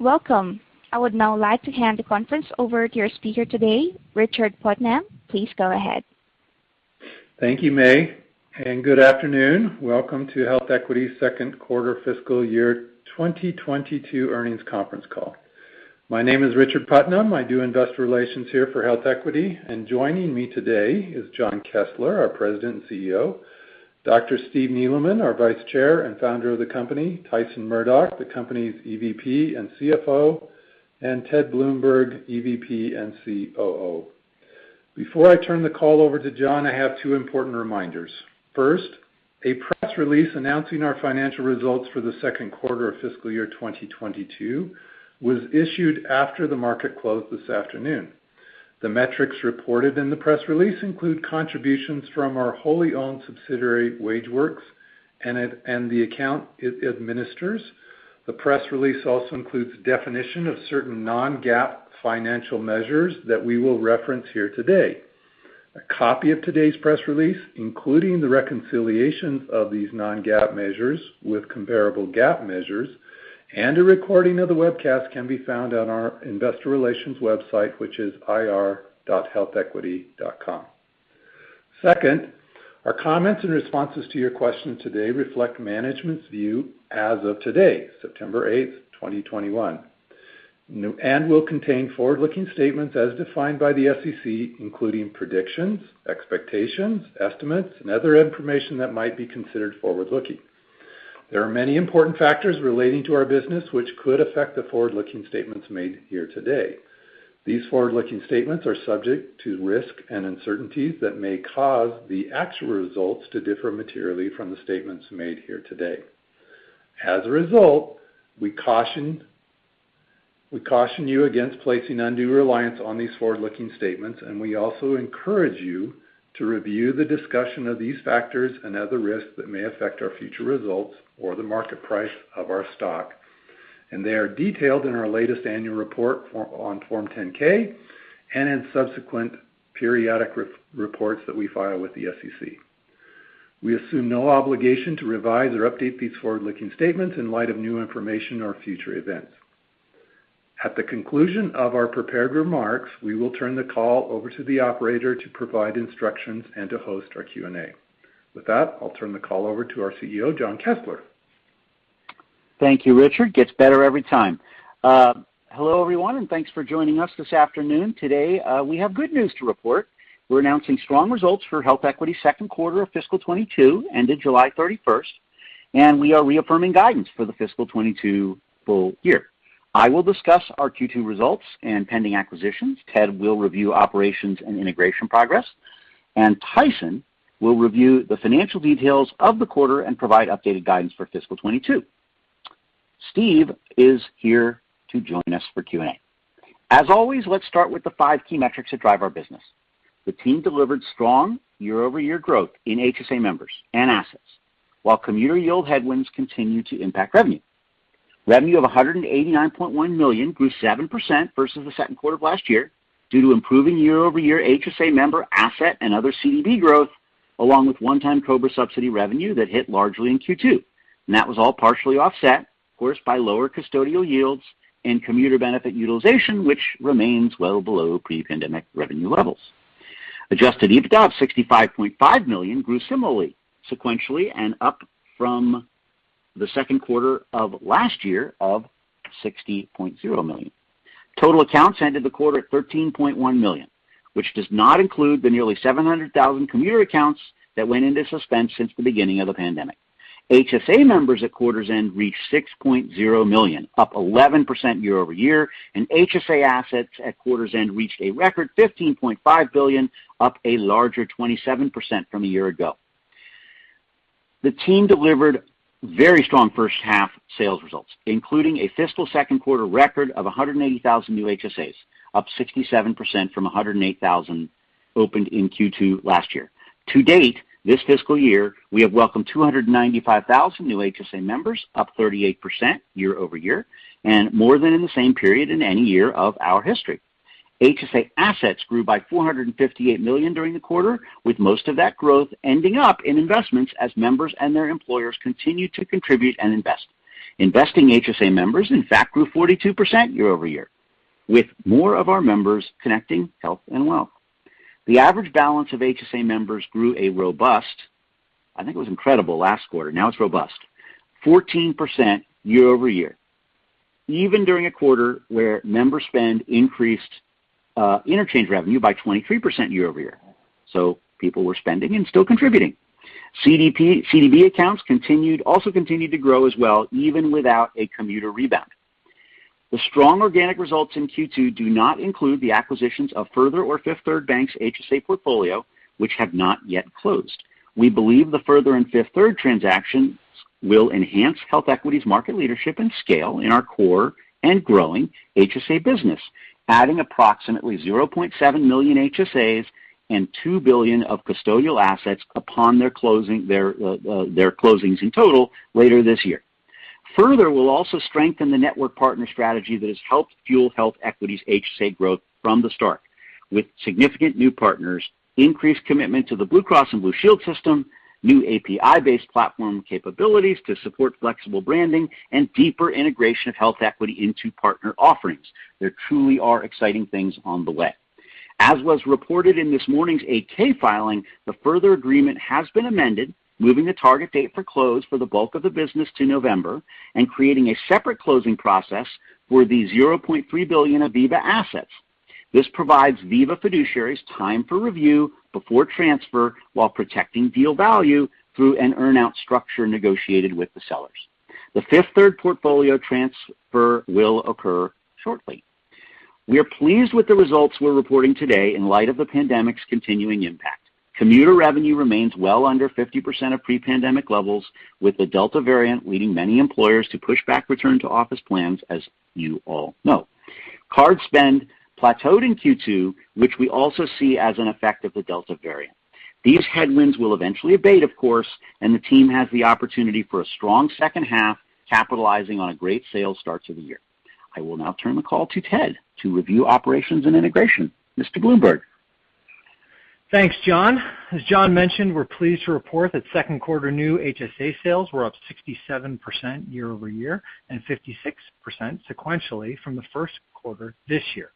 Welcome. I would now like to hand the conference over to your speaker today, Richard Putnam. Please go ahead. Thank you, May. Good afternoon. Welcome to HealthEquity's Q2 Fiscal Year 2022 Earnings Conference Call. My name is Richard Putnam. I do investor relations here for HealthEquity. Joining me today is Jon Kessler, our President and Chief Executive Officer, Dr. Steve Neeleman, our Vice Chairman and Founder of the company, Tyson Murdock, the company's Executive Vice President and Chief Financial Officer, Ted Bloomberg, Executive Vice President and Chief Operating Officer. Before I turn the call over to Jon, I have two important reminders. First, a press release announcing our financial results for the Q2 of fiscal year 2022 was issued after the market closed this afternoon. The metrics reported in the press release include contributions from our wholly owned subsidiary, WageWorks, the account it administers. The press release also includes a definition of certain non-GAAP financial measures that we will reference here today. A copy of today's press release, including the reconciliations of these non-GAAP measures with comparable GAAP measures, and a recording of the webcast, can be found on our Investor Relations website, which is ir.healthequity.com. Second, our comments and responses to your questions today reflect management's view as of today, September eighth, 2021, and will contain forward-looking statements as defined by the SEC, including predictions, expectations, estimates, and other information that might be considered forward-looking. There are many important factors relating to our business which could affect the forward-looking statements made here today. These forward-looking statements are subject to risks and uncertainties that may cause the actual results to differ materially from the statements made here today. As a result, we caution you against placing undue reliance on these forward-looking statements, and we also encourage you to review the discussion of these factors and other risks that may affect our future results or the market price of our stock, and they are detailed in our latest annual report on Form 10-K and in subsequent periodic reports that we file with the SEC. We assume no obligation to revise or update these forward-looking statements in light of new information or future events. At the conclusion of our prepared remarks, we will turn the call over to the operator to provide instructions and to host our Q&A. With that, I'll turn the call over to our CEO, Jon Kessler. Thank you, Richard. Gets better every time. Hello, everyone, and thanks for joining us this afternoon. Today, we have good news to report. We're announcing strong results for HealthEquity's Q2 of fiscal 2022, ended July 31st, and we are reaffirming guidance for the fiscal 2022 full year. I will discuss our Q2 results and pending acquisitions. Ted will review operations and integration progress. Tyson will review the financial details of the quarter and provide updated guidance for fiscal 2022. Steve is here to join us for Q&A. As always, let's start with the five key metrics that drive our business. The team delivered strong year-over-year growth in HSA members and assets, while Commuter yield headwinds continue to impact revenue. Revenue of $189.1 million grew 7% versus the Q2 of last year due to improving year-over-year HSA member asset and other CDB growth, along with one-time COBRA subsidy revenue that hit largely in Q2, that was all partially offset, of course, by lower custodial yields and Commuter benefit utilization, which remains well below pre-pandemic revenue levels. Adjusted EBITDA of $65.5 million grew similarly sequentially and up from the Q2 of last year of $60.0 million. Total accounts ended the quarter at 13.1 million, which does not include the nearly 700,000 Commuter accounts that went into suspense since the beginning of the pandemic. HSA members at quarter's end reached 6.0 million, up 11% year-over-year, HSA assets at quarter's end reached a record $15.5 billion, up a larger 27% from a year ago. The team delivered very strong first half sales results, including a fiscal Q2 record of 180,000 new HSAs, up 67% from 108,000 opened in Q2 last year. To date, this fiscal year, we have welcomed 295,000 new HSA members, up 38% year-over-year and more than in the same period in any year of our history. HSA assets grew by $458 million during the quarter, with most of that growth ending up in investments as members and their employers continued to contribute and invest. Investing HSA members, in fact, grew 42% year-over-year, with more of our members connecting health and wealth. The average balance of HSA members grew a robust, I think it was incredible last quarter, now it's robust, 14% year-over-year, even during a quarter where member spend increased interchange revenue by 23% year-over-year. People were spending and still contributing. CDB accounts also continued to grow as well, even without a Commuter rebound. The strong organic results in Q2 do not include the acquisitions of Further or Fifth Third Bank's HSA portfolio, which have not yet closed. We believe the Further and Fifth Third transactions will enhance HealthEquity's market leadership and scale in our core and growing HSA business, adding approximately 0.7 million HSAs and $2 billion of custodial assets upon their closings in total later this year. Further will also strengthen the network partner strategy that has helped fuel HealthEquity's HSA growth from the start. With significant new partners, increased commitment to the Blue Cross and Blue Shield system, new API-based platform capabilities to support flexible branding, and deeper integration of HealthEquity into partner offerings. There truly are exciting things on the way. As was reported in this morning's 8-K filing, the Further agreement has been amended, moving the target date for close for the bulk of the business to November, and creating a separate closing process for the $0.3 billion of VEBA assets. This provides VEBA fiduciaries time for review before transfer, while protecting deal value through an earn-out structure negotiated with the sellers. The Fifth Third portfolio transfer will occur shortly. We are pleased with the results we're reporting today in light of the pandemic's continuing impact. Commuter revenue remains well under 50% of pre-pandemic levels, with the Delta variant leading many employers to push back return-to-office plans, as you all know. Card spend plateaued in Q2, which we also see as an effect of the Delta variant. These headwinds will eventually abate, of course, and the team has the opportunity for a strong second half, capitalizing on a great sales start to the year. I will now turn the call to Ted to review operations and integration. Mr. Bloomberg. Thanks, Jon. As Jon mentioned, we're pleased to report that Q2 new HSA sales were up 67% year-over-year, and 56% sequentially from the Q1 this year.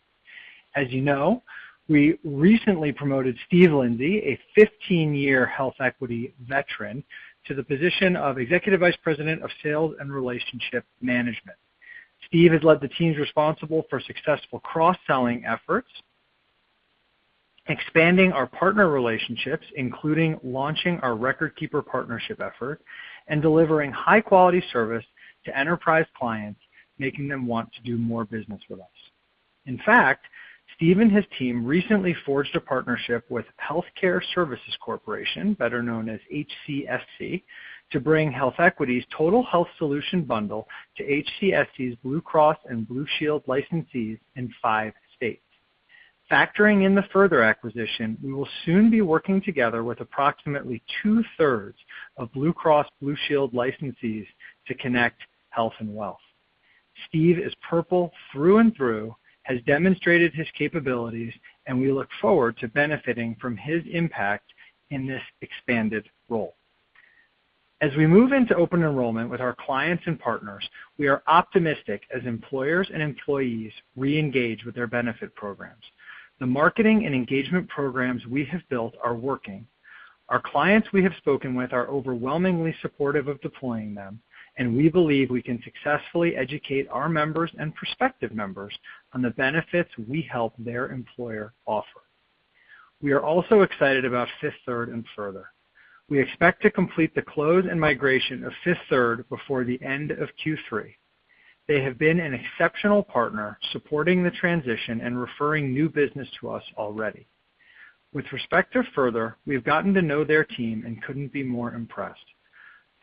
As you know, we recently promoted Steve Lindsay, a 15-year HealthEquity veteran, to the position of Executive Vice President of Sales and Relationship Management. Steve has led the teams responsible for successful cross-selling efforts, expanding our partner relationships, including launching our record keeper partnership effort, and delivering high-quality service to enterprise clients, making them want to do more business with us. In fact, Steve and his team recently forged a partnership with Health Care Service Corporation, better known as HCSC, to bring HealthEquity's total health solution bundle to HCSC's Blue Cross and Blue Shield licensees in five states. Factoring in the Further acquisition, we will soon be working together with approximately two-thirds of Blue Cross Blue Shield licensees to connect health and wealth. Steve is Purple through and through, has demonstrated his capabilities, and we look forward to benefiting from his impact in this expanded role. As we move into open enrollment with our clients and partners, we are optimistic as employers and employees reengage with their benefit programs. The marketing and engagement programs we have built are working. Our clients we have spoken with are overwhelmingly supportive of deploying them, and we believe we can successfully educate our members and prospective members on the benefits we help their employer offer. We are also excited about Fifth Third and Further. We expect to complete the close and migration of Fifth Third before the end of Q3. They have been an exceptional partner, supporting the transition and referring new business to us already. With respect to Further, we've gotten to know their team and couldn't be more impressed.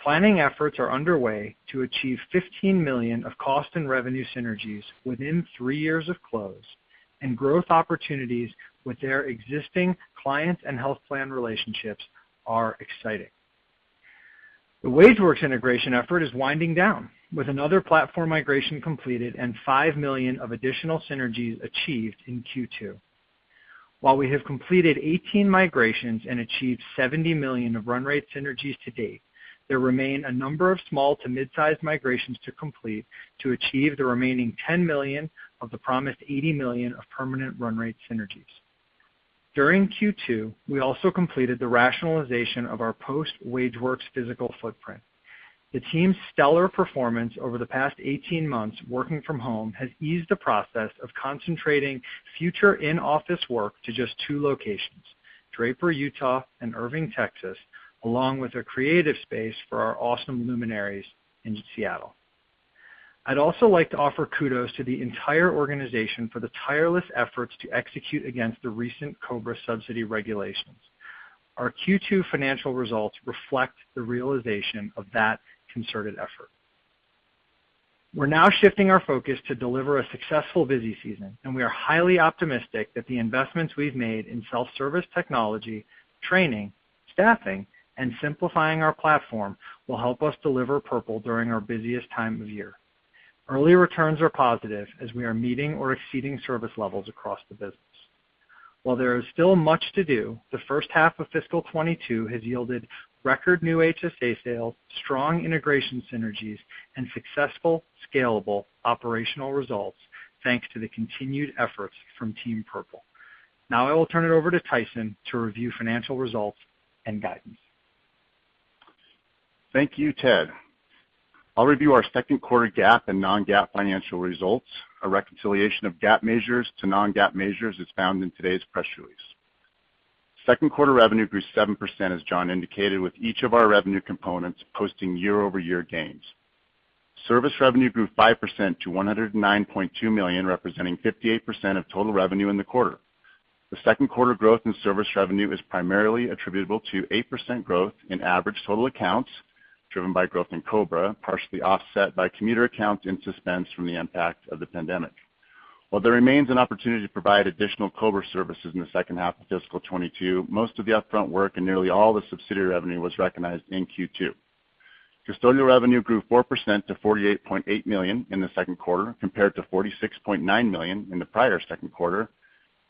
Planning efforts are underway to achieve $15 million of cost and revenue synergies within three years of close, and growth opportunities with their existing clients and health plan relationships are exciting. The WageWorks integration effort is winding down, with another platform migration completed and $5 million of additional synergies achieved in Q2. While we have completed 18 migrations and achieved $70 million of run rate synergies to date, there remain a number of small to mid-sized migrations to complete to achieve the remaining $10 million of the promised $80 million of permanent run rate synergies. During Q2, we also completed the rationalization of our post-WageWorks physical footprint. The team's stellar performance over the past 18 months working from home has eased the process of concentrating future in-office work to just two locations, Draper, Utah, and Irving, Texas, along with a creative space for our awesome luminaries in Seattle. I'd also like to offer kudos to the entire organization for the tireless efforts to execute against the recent COBRA subsidy regulations. Our Q2 financial results reflect the realization of that concerted effort. We're now shifting our focus to deliver a successful busy season, and we are highly optimistic that the investments we've made in self-service technology, training, staffing, and simplifying our platform will help us deliver Purple during our busiest time of year. Early returns are positive as we are meeting or exceeding service levels across the business. While there is still much to do, the first half of fiscal 2022 has yielded record new HSA sales, strong integration synergies, and successful, scalable operational results, thanks to the continued efforts from Team Purple. Now I will turn it over to Tyson to review financial results and guidance. Thank you, Ted. I'll review our Q2 GAAP and non-GAAP financial results. A reconciliation of GAAP measures to non-GAAP measures is found in today's press release. Q2 revenue grew 7%, as Jon indicated, with each of our revenue components posting year-over-year gains. Service revenue grew 5% to $109.2 million, representing 58% of total revenue in the quarter. The Q2 growth in service revenue is primarily attributable to 8% growth in average total accounts, driven by growth in COBRA, partially offset by Commuter accounts in suspense from the impact of the pandemic. While there remains an opportunity to provide additional COBRA services in the second half of fiscal 2022, most of the upfront work and nearly all the subsidiary revenue was recognized in Q2. Custodial revenue grew 4% to $48.8 million in the Q2 compared to $46.9 million in the prior Q2.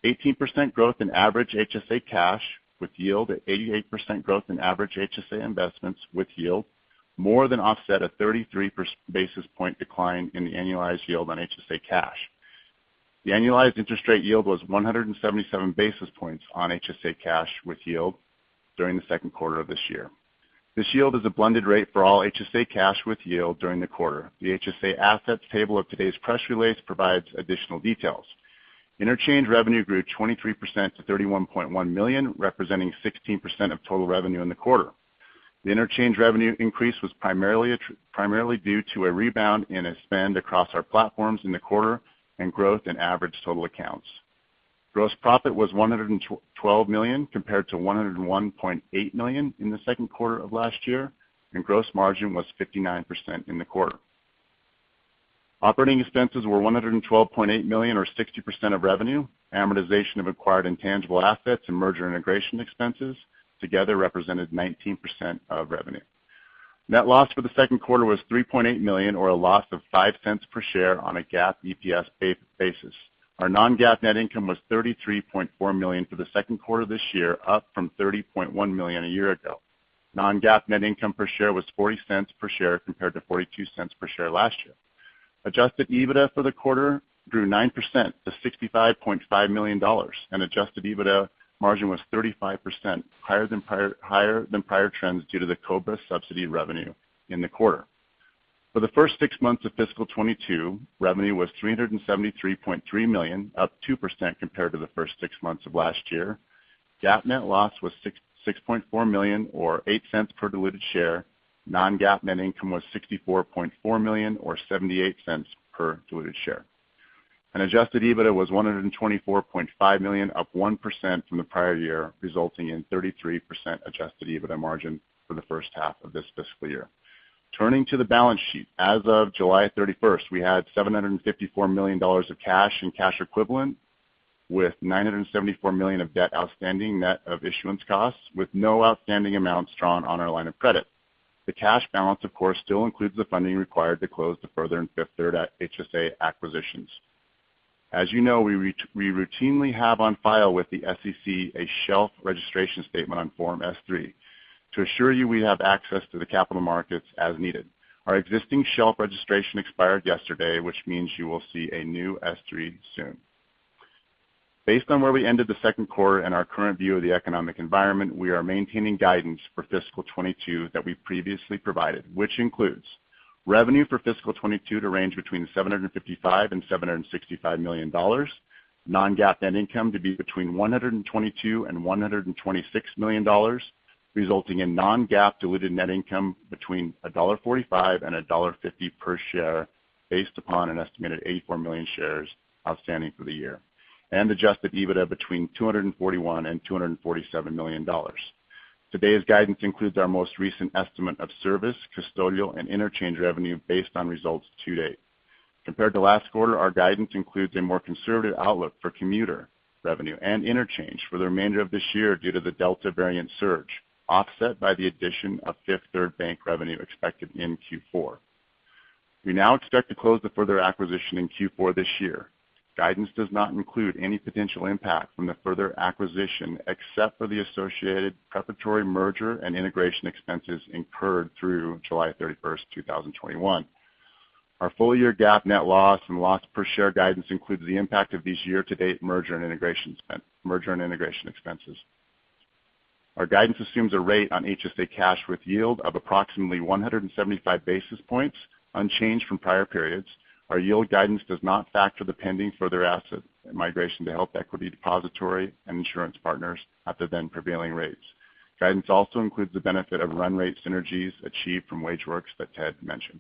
18% growth in average HSA cash with yield at 88% growth in average HSA investments with yield more than offset a 33 basis point decline in the annualized yield on HSA cash. The annualized interest rate yield was 177 basis points on HSA cash with yield during the Q2 of this year. This yield is a blended rate for all HSA cash with yield during the quarter. The HSA assets table of today's press release provides additional details. Interchange revenue grew 23% to $31.1 million, representing 16% of total revenue in the quarter. The interchange revenue increase was primarily due to a rebound in a spend across our platforms in the quarter and growth in average total accounts. Gross profit was $112 million compared to $101.8 million in the Q2 of last year, and gross margin was 59% in the quarter. Operating expenses were $112.8 million or 60% of revenue. Amortization of acquired intangible assets and merger integration expenses together represented 19% of revenue. Net loss for the Q2 was $3.8 million or a loss of $0.05 per share on a GAAP EPS basis. Our non-GAAP net income was $33.4 million for the Q2 this year, up from $30.1 million a year ago. Non-GAAP net income per share was $0.40 per share compared to $0.42 per share last year. Adjusted EBITDA for the quarter grew 9% to $65.5 million, and Adjusted EBITDA margin was 35%, higher than prior trends due to the COBRA subsidy revenue in the quarter. For the first six months of fiscal 2022, revenue was $373.3 million, up 2% compared to the first six months of last year. GAAP net loss was $6.4 million or $0.08 per diluted share. Non-GAAP net income was $64.4 million or $0.78 per diluted share. Adjusted EBITDA was $124.5 million, up 1% from the prior year, resulting in 33% adjusted EBITDA margin for the first half of this fiscal year. Turning to the balance sheet, as of July 31st, we had $754 million of cash and cash equivalent with $974 million of debt outstanding net of issuance costs, with no outstanding amounts drawn on our line of credit. The cash balance, of course, still includes the funding required to close the Further and Fifth Third HSA acquisitions. As you know, we routinely have on file with the SEC a shelf registration statement on Form S-3 to assure you we have access to the capital markets as needed. Our existing shelf registration expired yesterday, which means you will see a new S-3 soon. Based on where we ended the Q2 and our current view of the economic environment, we are maintaining guidance for fiscal 2022 that we previously provided, which includes revenue for fiscal 2022 to range between $755 million and $765 million. Non-GAAP net income to be between $122 million and $126 million, resulting in non-GAAP diluted net income between $1.45 per share and $1.50 per share based upon an estimated 84 million shares outstanding for the year. Adjusted EBITDA between $241 million and $247 million. Today's guidance includes our most recent estimate of service, custodial, and interchange revenue based on results to date. Compared to last quarter, our guidance includes a more conservative outlook for Commuter revenue and interchange for the remainder of this year due to the Delta variant surge, offset by the addition of Fifth Third Bank revenue expected in Q4. We now expect to close the Further acquisition in Q4 this year. Guidance does not include any potential impact from the Further acquisition except for the associated preparatory merger and integration expenses incurred through July 31st, 2021. Our full-year GAAP net loss and loss per share guidance includes the impact of these year-to-date merger and integration expenses. Our guidance assumes a rate on HSA cash with yield of approximately 175 basis points, unchanged from prior periods. Our yield guidance does not factor the pending Further assets and migration to HealthEquity Depository and insurance partners at the then-prevailing rates. Guidance also includes the benefit of run rate synergies achieved from WageWorks that Ted mentioned.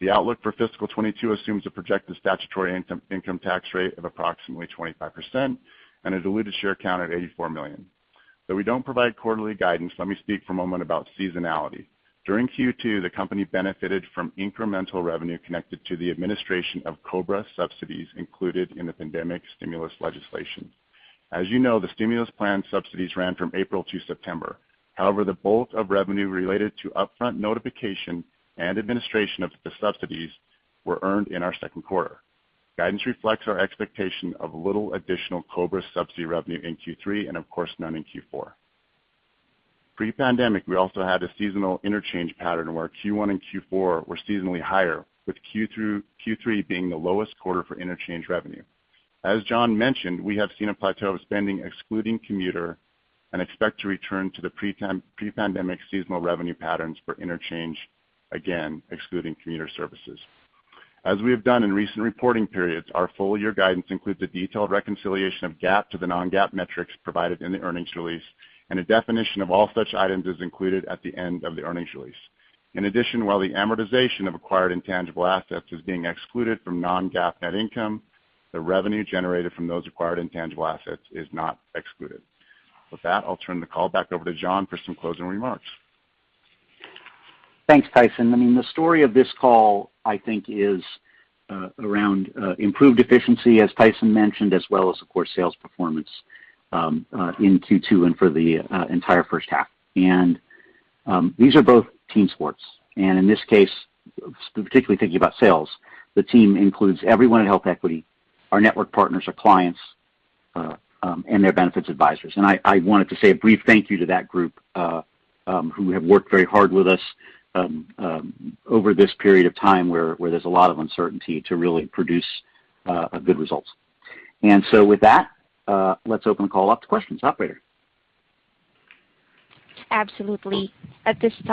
The outlook for fiscal 2022 assumes a projected statutory income tax rate of approximately 25% and a diluted share count of 84 million. Though we don't provide quarterly guidance, let me speak for a moment about seasonality. During Q2, the company benefited from incremental revenue connected to the administration of COBRA subsidies included in the pandemic stimulus legislation. As you know, the stimulus plan subsidies ran from April to September. However, the bulk of revenue related to upfront notification and administration of the subsidies were earned in our Q2. Guidance reflects our expectation of little additional COBRA subsidy revenue in Q3 and of course, none in Q4. Pre-pandemic, we also had a seasonal interchange pattern where Q1 and Q4 were seasonally higher, with Q3 being the lowest quarter for interchange revenue. As Jon mentioned, we have seen a plateau of spending excluding Commuter and expect to return to the pre-pandemic seasonal revenue patterns for interchange, again, excluding Commuter services. As we have done in recent reporting periods, our full-year guidance includes a detailed reconciliation of GAAP to the non-GAAP metrics provided in the earnings release, and a definition of all such items is included at the end of the earnings release. While the amortization of acquired intangible assets is being excluded from non-GAAP net income, the revenue generated from those acquired intangible assets is not excluded. I'll turn the call back over to Jon for some closing remarks. Thanks, Tyson. I mean, the story of this call, I think, is around improved efficiency, as Tyson mentioned, as well as, of course, sales performance in Q2 and for the entire first half. These are both team sports. In this case, particularly thinking about sales, the team includes everyone at HealthEquity, our network partners, our clients, and their benefits advisors. I wanted to say a brief thank you to that group, who have worked very hard with us over this period of time where there's a lot of uncertainty to really produce good results. With that, let's open the call up to questions. Operator? Absolutely. Your first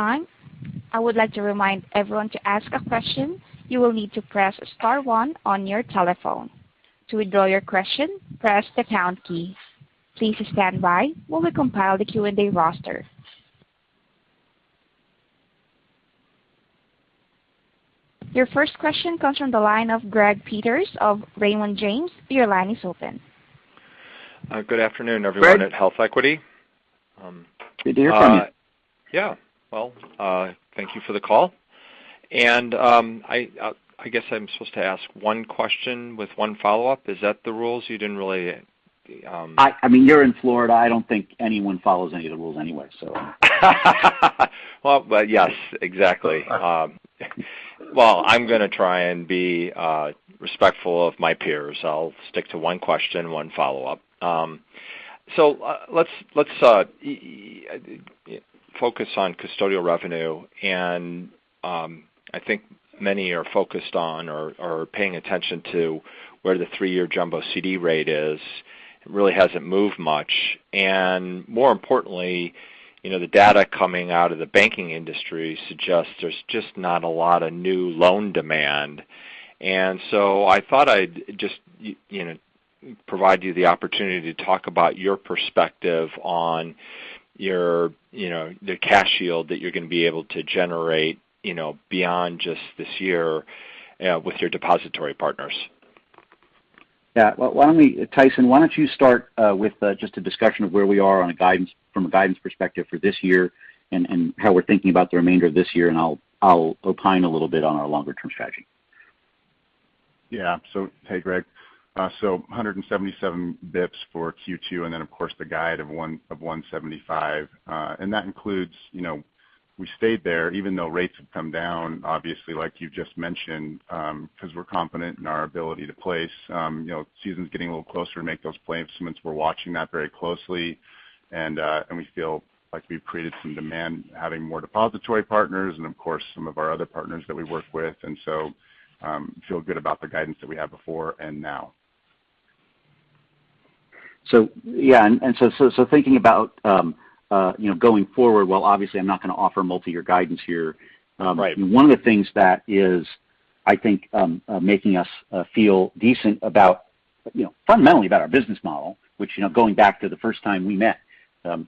question comes from the line of Gregory Peters of Raymond James. Your line is open. Good afternoon, everyone- Greg at HealthEquity. Good to hear from you. Yeah. Well, thank you for the call. I guess I'm supposed to ask one question with one follow-up. Is that the rules? You're in Florida. I don't think anyone follows any of the rules anyway, so. Yes, exactly. I'm going to try and be respectful of my peers. I'll stick to one question, one follow-up. Let's focus on custodial revenue. I think many are focused on or are paying attention to where the three-year jumbo CD rate is. It really hasn't moved much. More importantly, the data coming out of the banking industry suggests there's just not a lot of new loan demand. I thought I'd just provide you the opportunity to talk about your perspective on the cash yield that you're going to be able to generate beyond just this year, with your depository partners. Yeah. Tyson, why don't you start with just a discussion of where we are from a guidance perspective for this year and how we're thinking about the remainder of this year, and I'll opine a little bit on our longer-term strategy. Yeah, hey, Greg. 177 basis points for Q2, of course, the guide of 175 basis points. That includes we stayed there even though rates have come down, obviously, like you just mentioned, because we're confident in our ability to place. Season's getting a little closer to make those placements. We're watching that very closely. We feel like we've created some demand having more depository partners and, of course, some of our other partners that we work with. Feel good about the guidance that we had before and now. Yeah, thinking about going forward, while obviously I'm not going to offer multi-year guidance here. Right one of the things that is, I think, making us feel decent fundamentally about our business model, which going back to the first time we met,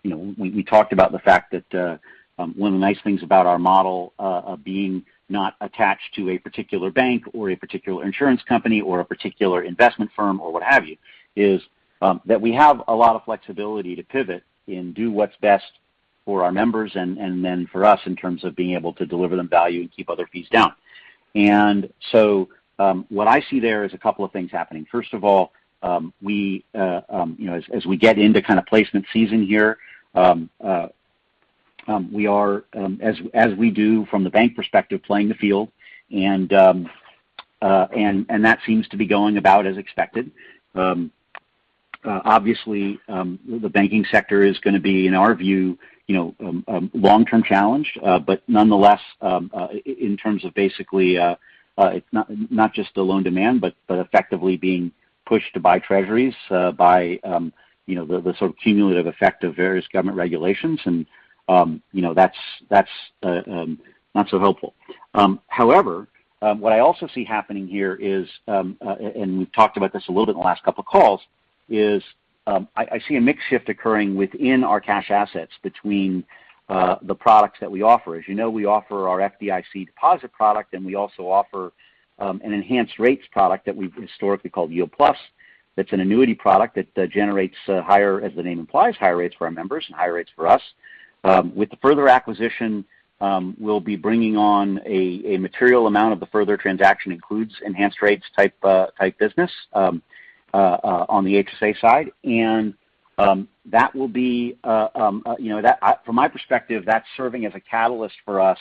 we talked about the fact that one of the nice things about our model of being not attached to a particular bank or a particular insurance company or a particular investment firm or what have you, is that we have a lot of flexibility to pivot and do what's best for our members and then for us in terms of being able to deliver them value and keep other fees down. What I see there is a couple of things happening. First of all, as we get into kind of placement season here, we are, as we do from the bank perspective, playing the field, and that seems to be going about as expected. Obviously, the banking sector is going to be, in our view, a long-term challenge. Nonetheless, in terms of basically, not just the loan demand, but effectively being pushed to buy treasuries by the sort of cumulative effect of various government regulations, and that's not so helpful. However, what I also see happening here is, and we've talked about this a little bit in the last couple of calls, is I see a mix shift occurring within our cash assets between the products that we offer. As you know, we offer our FDIC deposit product, and we also offer an enhanced rates product that we've historically called Yield Plus. That's an annuity product that generates, as the name implies, higher rates for our members and higher rates for us. With the Further acquisition, we'll be bringing on a material amount of the Further transaction includes enhanced rates type business on the HSA side. From my perspective, that's serving as a catalyst for us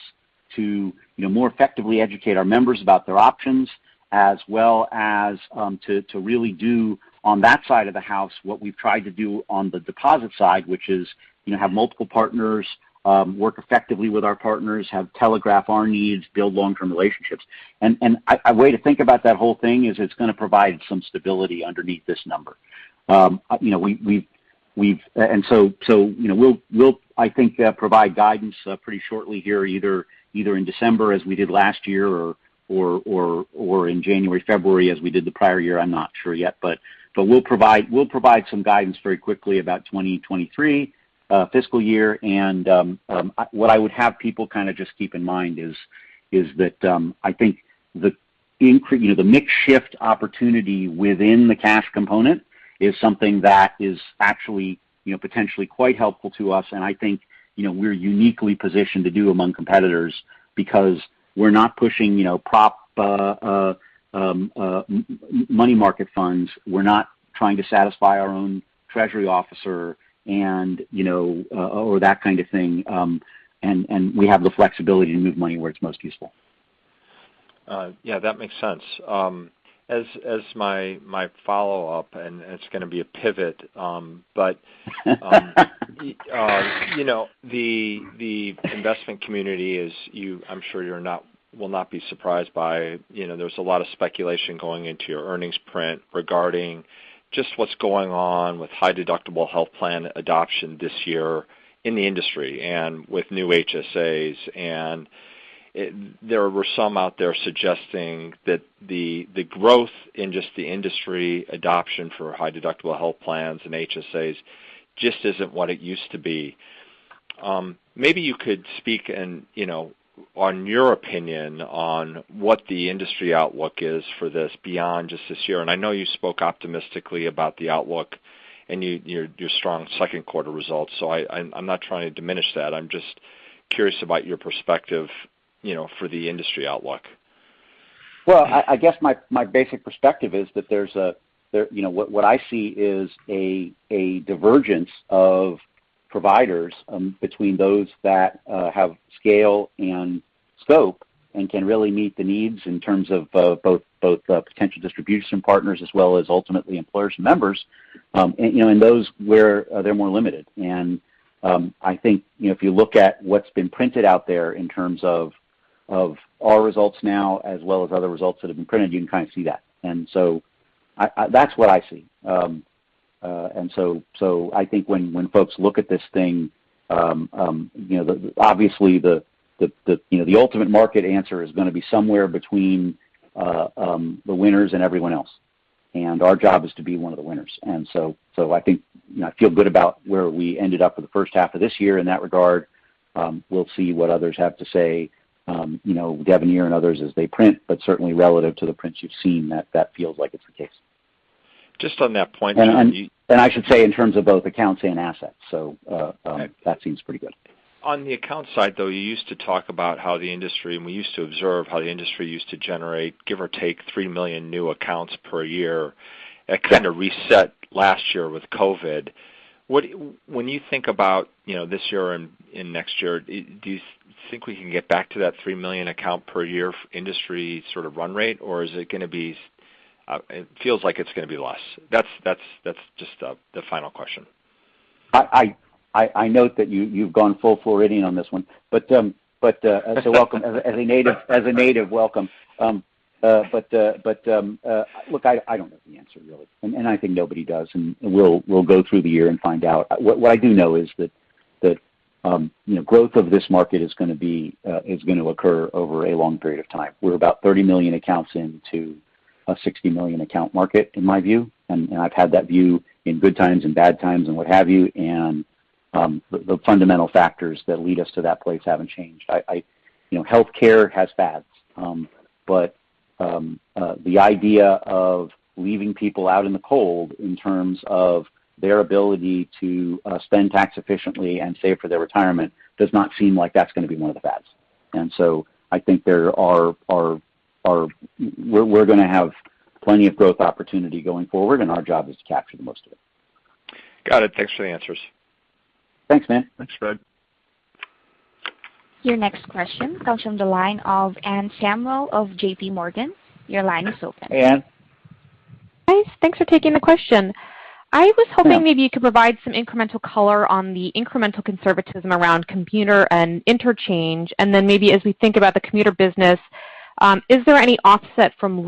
to more effectively educate our members about their options as well as to really do on that side of the house what we've tried to do on the deposit side, which is have multiple partners, work effectively with our partners, have telegraph our needs, build long-term relationships. A way to think about that whole thing is it's going to provide some stability underneath this number. We'll, I think, provide guidance pretty shortly here, either in December as we did last year or in January, February as we did the prior year. I'm not sure yet. We'll provide some guidance very quickly about 2023 fiscal year. What I would have people kind of just keep in mind is that, I think the mix shift opportunity within the cash component is something that is actually potentially quite helpful to us, and I think we're uniquely positioned to do among competitors because we're not pushing prop money market funds. We're not trying to satisfy our own treasury officer or that kind of thing. We have the flexibility to move money where it's most useful. Yeah, that makes sense. As my follow-up, it's going to be a pivot. The investment community is, I'm sure you will not be surprised by, there's a lot of speculation going into your earnings print regarding just what's going on with high-deductible health plan adoption this year in the industry and with new HSAs. There were some out there suggesting that the growth in just the industry adoption for high-deductible health plans and HSAs just isn't what it used to be. Maybe you could speak on your opinion on what the industry outlook is for this beyond just this year. I know you spoke optimistically about the outlook and your strong Q2 results, I'm not trying to diminish that. I'm just curious about your perspective for the industry outlook. Well, I guess my basic perspective is that what I see is a divergence of providers between those that have scale and scope and can really meet the needs in terms of both potential distribution partners as well as ultimately employers and members, and those where they're more limited. I think if you look at what's been printed out there in terms of our results now as well as other results that have been printed, you can kind of see that. That's what I see. I think when folks look at this thing, obviously the ultimate market answer is going to be somewhere between the winners and everyone else. Our job is to be one of the winners. I feel good about where we ended up for the first half of this year in that regard. We'll see what others have to say, Devenir and others, as they print, but certainly relative to the prints you've seen, that feels like it's the case. Just on that point- I should say in terms of both accounts and assets so that seems pretty good. On the account side, though, you used to talk about how the industry, and we used to observe how the industry used to generate, give or take, 3 million new accounts per year. That kind of reset last year with COVID. When you think about this year and next year, do you think we can get back to that 3 million account per year industry sort of run rate? It feels like it's going to be less. That's just the final question. I note that you've gone full Floridian on this one. Welcome. As a native, welcome. Look, I don't know the answer, really, and I think nobody does, and we'll go through the year and find out. What I do know is that growth of this market is going to occur over a long period of time. We're about 30 million accounts into a 60 million account market, in my view, and I've had that view in good times and bad times and what have you, and the fundamental factors that lead us to that place haven't changed. Healthcare has fads, the idea of leaving people out in the cold in terms of their ability to spend tax efficiently and save for their retirement does not seem like that's going to be one of the fads. I think we're going to have plenty of growth opportunity going forward, and our job is to capture the most of it. Got it. Thanks for the answers. Thanks, man. Thanks, Jon. Your next question comes from the line of Anne Samuel of JPMorgan. Your line is open. Hey, Anne. Hi, thanks for taking the question. I was hoping maybe you could provide some incremental color on the incremental conservatism around commuter and interchange, and then maybe as we think about the commuter business, is there any offset from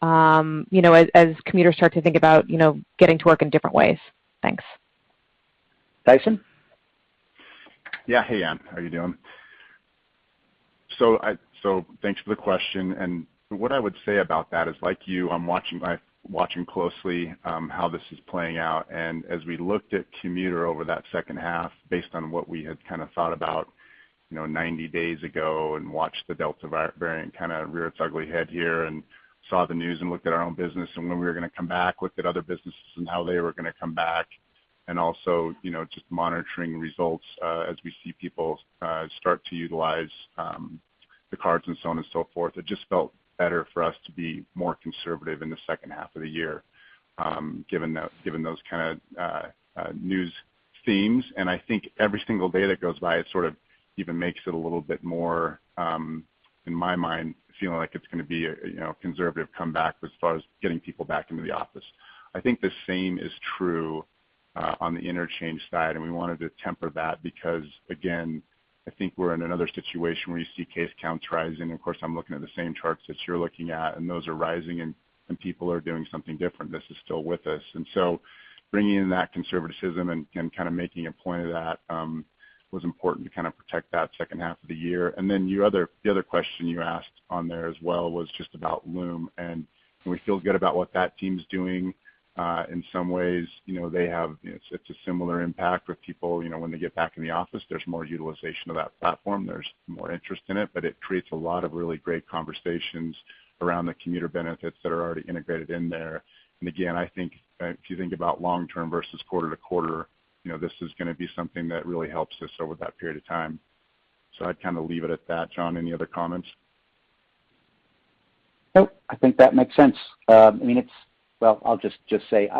Commuter as commuters start to think about getting to work in different ways? Thanks. Tyson? Yeah. Hey, Anne. How are you doing? Thanks for the question. What I would say about that is like you, I'm watching closely how this is playing out. As we looked at Commuter over that second half based on what we had kind of thought about 90 days ago and watched the Delta variant kind of rear its ugly head here and saw the news and looked at our own business and when we were going to come back, looked at other businesses and how they were going to come back, and also just monitoring results as we see people start to utilize the cards and so on and so forth, it just felt better for us to be more conservative in the second half of the year given those kind of news themes. I think every single day that goes by, it sort of even makes it a little bit more, in my mind, feeling like it's going to be a conservative comeback as far as getting people back into the office. I think the same is true on the interchange side. We wanted to temper that because, again, I think we're in another situation where you see case counts rising. Of course, I'm looking at the same charts that you're looking at. Those are rising and people are doing something different. This is still with us. Bringing in that conservatism and kind of making a point of that was important to kind of protect that second half of the year. The other question you asked on there as well was just about Luum. We feel good about what that team's doing. In some ways, it's a similar impact with people when they get back in the office. There's more utilization of that platform. There's more interest in it, but it creates a lot of really great conversations. Around the Commuter benefits that are already integrated in there. Again, I think if you think about long term versus quarter-to-quarter, this is going to be something that really helps us over that period of time. I'd leave it at that. Jon, any other comments? Nope. I think that makes sense. I'll just say,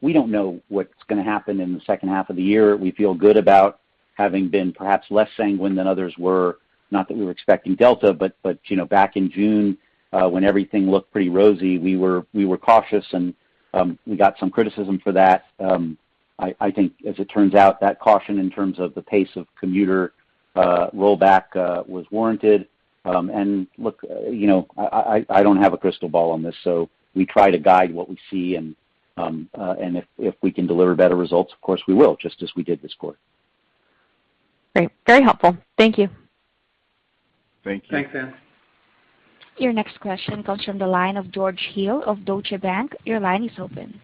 we don't know what's going to happen in the second half of the year. We feel good about having been perhaps less sanguine than others were. Not that we were expecting Delta, but back in June, when everything looked pretty rosy, we were cautious, and we got some criticism for that. I think as it turns out, that caution in terms of the pace of Commuter rollback was warranted. Look, I don't have a crystal ball on this, so we try to guide what we see, and if we can deliver better results, of course, we will, just as we did this quarter. Great. Very helpful. Thank you. Thank you. Thanks, Anne. Your next question comes from the line of George Hill of Deutsche Bank. Your line is open.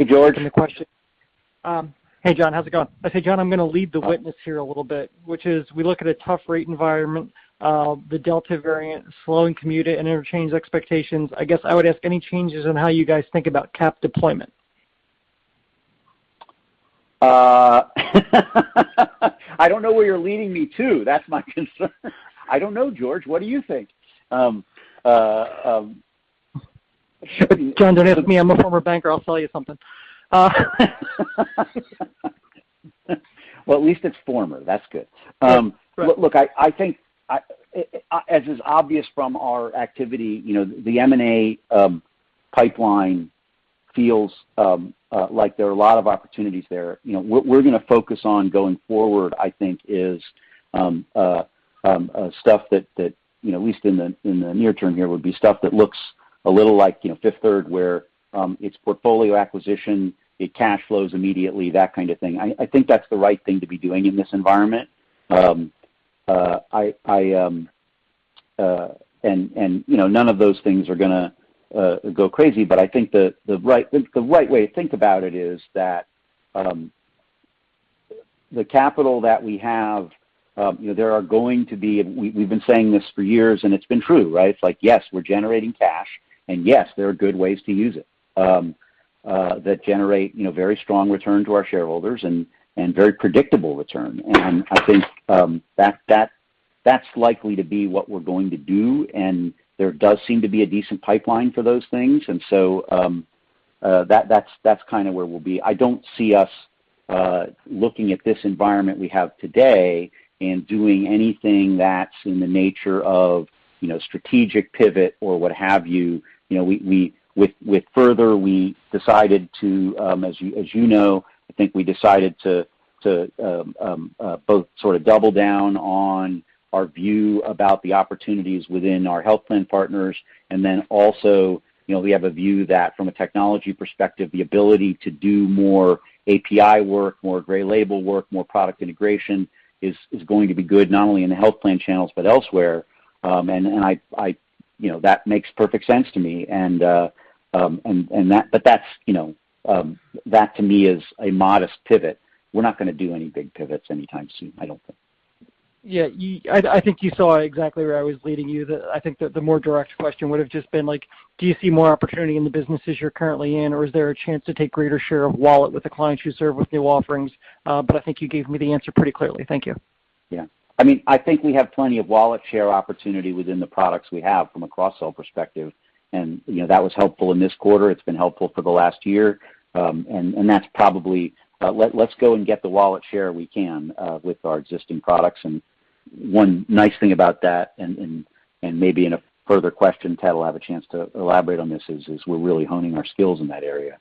Hey, George. Hey, Jon, how's it going? I say, Jon, I'm going to lead the witness here a little bit, which is we look at a tough rate environment, the Delta variant, slowing Commuter interchange expectations. I guess I would ask any changes on how you guys think about cap deployment. I don't know where you're leading me to. That's my concern. I don't know, George, what do you think? Jon, don't hit me. I'm a former banker. I'll sell you something. Well, at least it's former. That's good. Look, I think, as is obvious from our activity, the M&A pipeline feels like there are a lot of opportunities there. What we're going to focus on going forward, I think, is stuff that, at least in the near term here, would be stuff that looks a little like Fifth Third, where it's portfolio acquisition, it cash flows immediately, that kind of thing. I think that's the right thing to be doing in this environment. None of those things are going to go crazy, but I think the right way to think about it is that the capital that we have. We've been saying this for years, and it's been true, right? It's like, yes, we're generating cash, and yes, there are good ways to use it that generate very strong return to our shareholders and very predictable return. I think that's likely to be what we're going to do, there does seem to be a decent pipeline for those things. That's kind of where we'll be. I don't see us looking at this environment we have today and doing anything that's in the nature of strategic pivot or what have you. With Further, we decided to, as you know, I think we decided to both sort of double down on our view about the opportunities within our health plan partners, and then also, we have a view that from a technology perspective, the ability to do more API work, more gray label work, more product integration is going to be good, not only in the health plan channels, but elsewhere. That makes perfect sense to me. That to me is a modest pivot. We're not going to do any big pivots anytime soon, I don't think. Yeah. I think you saw exactly where I was leading you. I think that the more direct question would've just been like, do you see more opportunity in the businesses you're currently in, or is there a chance to take greater share of wallet with the clients you serve with new offerings? I think you gave me the answer pretty clearly. Thank you. Yeah. I think we have plenty of wallet share opportunity within the products we have from a cross-sell perspective, and that was helpful in this quarter. It's been helpful for the last year. Let's go and get the wallet share we can with our existing products. One nice thing about that, and maybe in a further question, Ted will have a chance to elaborate on this, is we're really honing our skills in that area.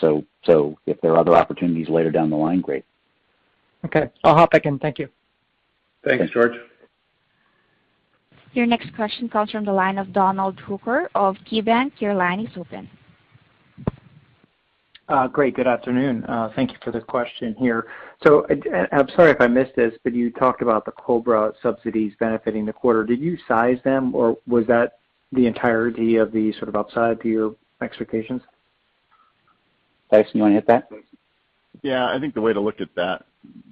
So, if there are other opportunities later down the line, great. Okay. I'll hop again. Thank you. Thanks. Your next question comes from the line of Donald Hooker of KeyBanc Capital Markets. Your line is open. Great. Good afternoon. Thank you for the question here. I'm sorry if I missed this, but you talked about the COBRA subsidies benefiting the quarter. Did you size them, or was that the entirety of the sort of upside to your expectations? Tyson, you want to hit that? I think the way to look at that,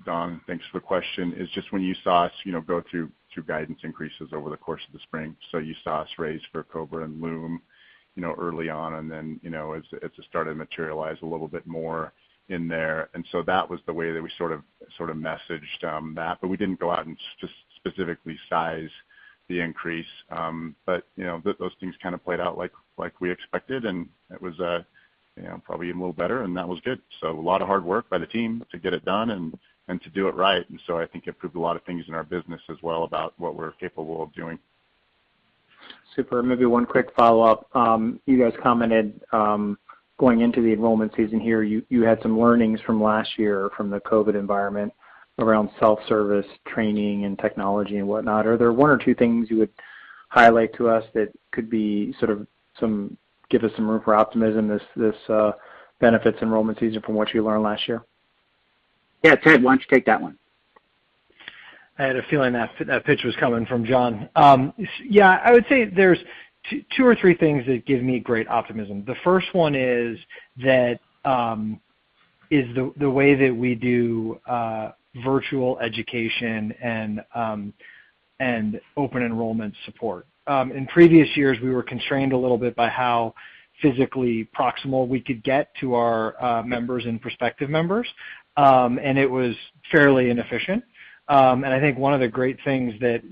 Donald, thanks for the question, is just when you saw us go through two guidance increases over the course of the spring. You saw us raise for COBRA and Commuter early on, and then as it started to materialize a little bit more in there. That was the way that we sort of messaged that, but we didn't go out and just specifically size the increase. Those things kind of played out like we expected, and it was probably a little better, and that was good. A lot of hard work by the team to get it done and to do it right. I think it proved a lot of things in our business as well about what we're capable of doing. Super. Maybe one quick follow-up. You guys commented, going into the enrollment season here, you had some learnings from last year from the COVID environment around self-service training and technology and whatnot. Are there one or two things you would highlight to us that could give us some room for optimism this benefits enrollment season from what you learned last year? Yeah. Ted, why don't you take that one? I had a feeling that pitch was coming from Jon. Yeah, I would say there's two or three things that give me great optimism. The first one is the way that we do virtual education and open enrollment support. In previous years, we were constrained a little bit by how physically proximal we could get to our members and prospective members, and it was fairly inefficient. I think one of the great things that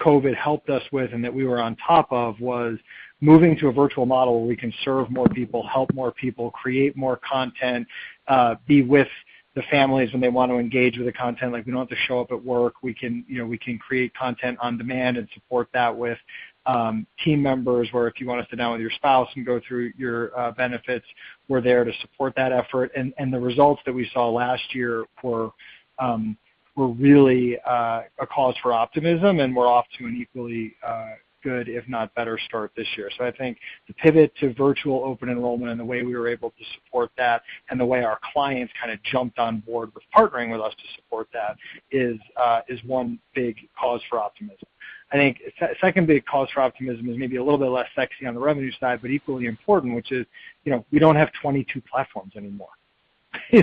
COVID helped us with, and that we were on top of, was moving to a virtual model where we can serve more people, help more people, create more content, be with the families when they want to engage with the content. We don't have to show up at work. We can create content on demand and support that with team members, where if you want to sit down with your spouse and go through your benefits, we're there to support that effort. The results that we saw last year were really a cause for optimism, and we're off to an equally good, if not better, start this year. I think the pivot to virtual open enrollment and the way we were able to support that, and the way our clients kind of jumped on board with partnering with us to support that is one big cause for optimism. I think a second big cause for optimism is maybe a little bit less sexy on the revenue side, but equally important, which is we don't have 22 platforms anymore.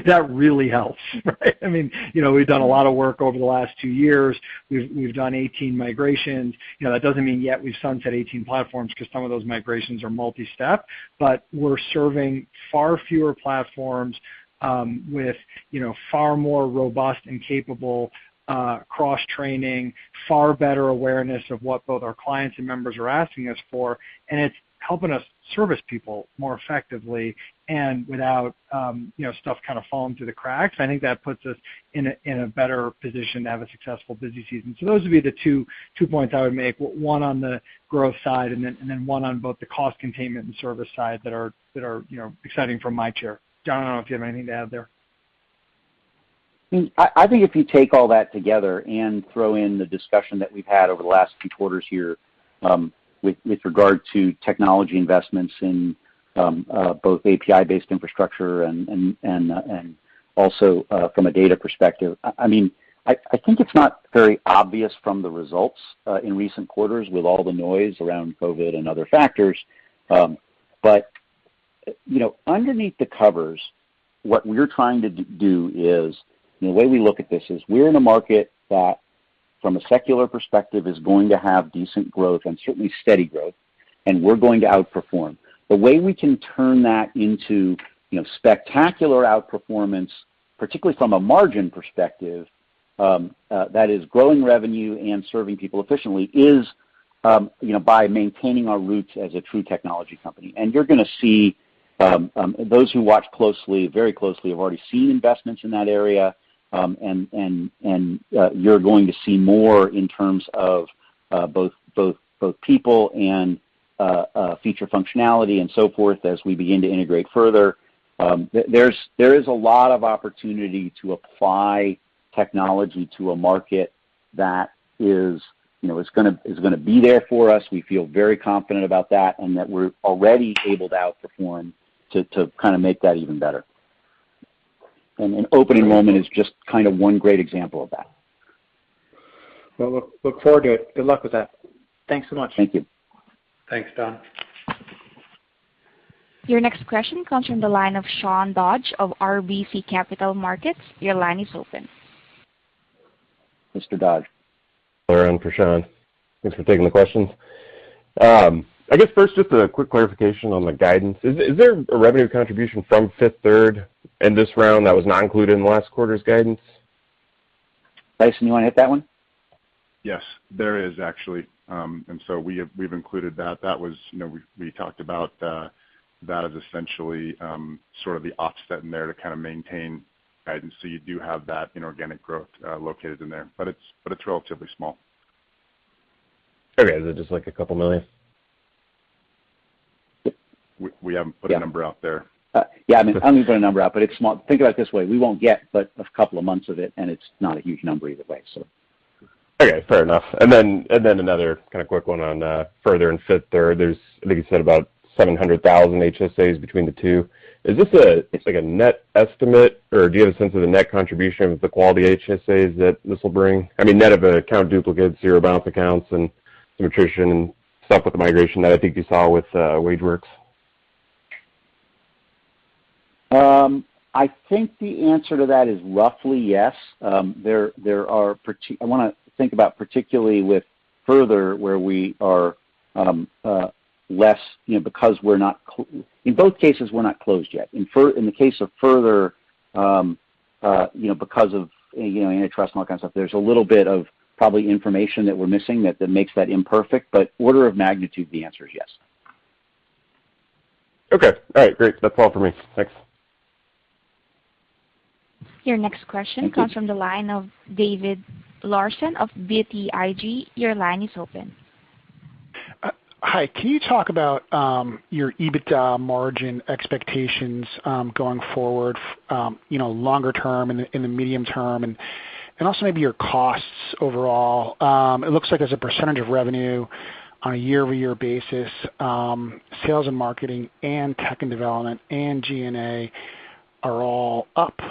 That really helps, right? We've done a lot of work over the last two years. We've done 18 migrations. That doesn't mean yet we've sunset 18 platforms, because some of those migrations are multi-step, but we're serving far fewer platforms, with far more robust and capable cross-training, far better awareness of what both our clients and members are asking us for, and it's helping us service people more effectively and without stuff falling through the cracks. I think that puts us in a better position to have a successful busy season. Those would be the two points I would make, one on the growth side and then one on both the cost containment and service side that are exciting from my chair. Jon, I don't know if you have anything to add there. I think if you take all that together and throw in the discussion that we've had over the last few quarters here with regard to technology investments in both API-based infrastructure and also from a data perspective, I think it's not very obvious from the results in recent quarters with all the noise around COVID and other factors. Underneath the covers, what we're trying to do is, the way we look at this is, we're in a market that from a secular perspective is going to have decent growth and certainly steady growth, and we're going to outperform. The way we can turn that into spectacular outperformance, particularly from a margin perspective, that is growing revenue and serving people efficiently is by maintaining our roots as a true technology company. You're going to see, those who watch closely, very closely, have already seen investments in that area, and you're going to see more in terms of both people and feature functionality and so forth as we begin to integrate further. There is a lot of opportunity to apply technology to a market that is going to be there for us. We feel very confident about that, and that we're already able to outperform to kind of make that even better. Open enrollment is just one great example of that. Look forward to it. Good luck with that. Thanks so much. Thank you. Thanks, Donald. Your next question comes from the line of Sean Dodge of RBC Capital Markets. Your line is open. Mr. Dodge. Hello, everyone. It's Sean. Thanks for taking the questions. I guess first, just a quick clarification on the guidance. Is there a revenue contribution from Fifth Third Bank in this round that was not included in last quarter's guidance? Tyson, you want to hit that one? Yes, there is actually. We've included that. We talked about that as essentially sort of the offset in there to kind of maintain guidance, so you do have that inorganic growth located in there, but it's relatively small. Okay. Is it just like a couple million USD? We haven't put a number out there. Yeah, I mean, I haven't put a number out, but it's small. Think about it this way. We won't get but a couple of months of it, and it's not a huge number either way. Okay, fair enough. Another kind of quick one on Further and Fifth Third. There's, I think you said about 700,000 HSAs between the two. Is this a net estimate or do you have a sense of the net contribution of the quality HSAs that this will bring? I mean, net of account duplicates, zero balance accounts, and attrition and stuff with the migration that I think you saw with WageWorks. I think the answer to that is roughly yes. I want to think about particularly with Further where we are. In both cases, we're not closed yet. In the case of Further, because of antitrust and all kind of stuff, there's a little bit of probably information that we're missing that makes that imperfect. Order of magnitude, the answer is yes. Okay. All right, great. That's all for me. Thanks. Your next question comes from the line of David Larsen of BTIG. Your line is open. Hi. Can you talk about your EBITDA margin expectations going forward, longer-term and in the medium-term, and also maybe your costs overall? It looks like as a % of revenue on a year-over-year basis, sales and marketing and tech and development and G&A are all up.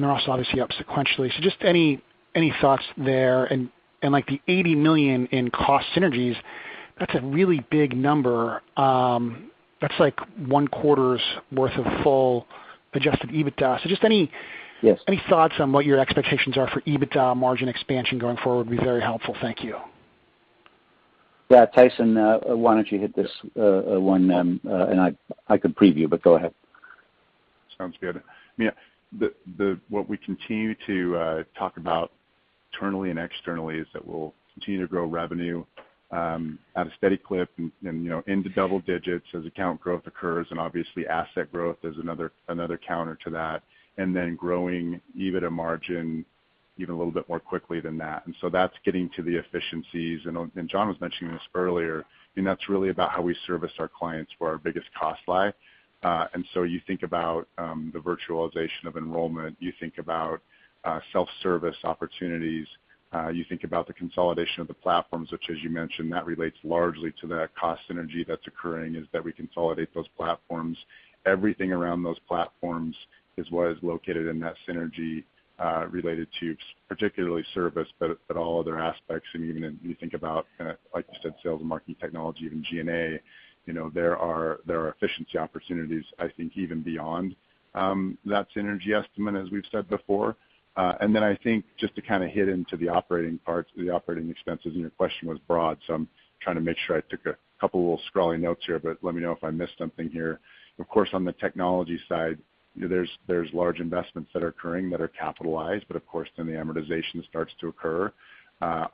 They're also obviously up sequentially. Just any thoughts there, and the $80 million in cost synergies, that's a really big number. That's one quarter's worth of full Adjusted EBITDA. Yes Any thoughts on what your expectations are for EBITDA margin expansion going forward would be very helpful. Thank you. Yeah. Tyson, why don't you hit this one, and I could preview, but go ahead. Sounds good. I mean, what we continue to talk about internally and externally is that we'll continue to grow revenue at a steady clip and into double digits as account growth occurs, and obviously asset growth is another counter to that. Then growing EBITDA margin even a little bit more quickly than that. So that's getting to the efficiencies, and Jon was mentioning this earlier, and that's really about how we service our clients, where our biggest costs lie. So you think about the virtualization of enrollment, you think about self-service opportunities, you think about the consolidation of the platforms, which as you mentioned, that relates largely to the cost synergy that's occurring, is that we consolidate those platforms. Everything around those platforms is what is located in that synergy, related to particularly service, but all other aspects, and even as you think about, like you said, sales and marketing, technology, even G&A, there are efficiency opportunities, I think, even beyond that synergy estimate, as we've said before. I think just to hit into the operating parts, the operating expenses, and your question was broad, so I'm trying to make sure I took a couple little scrawly notes here, but let me know if I missed something here. Of course, on the technology side, there's large investments that are occurring that are capitalized, but of course then the amortization starts to occur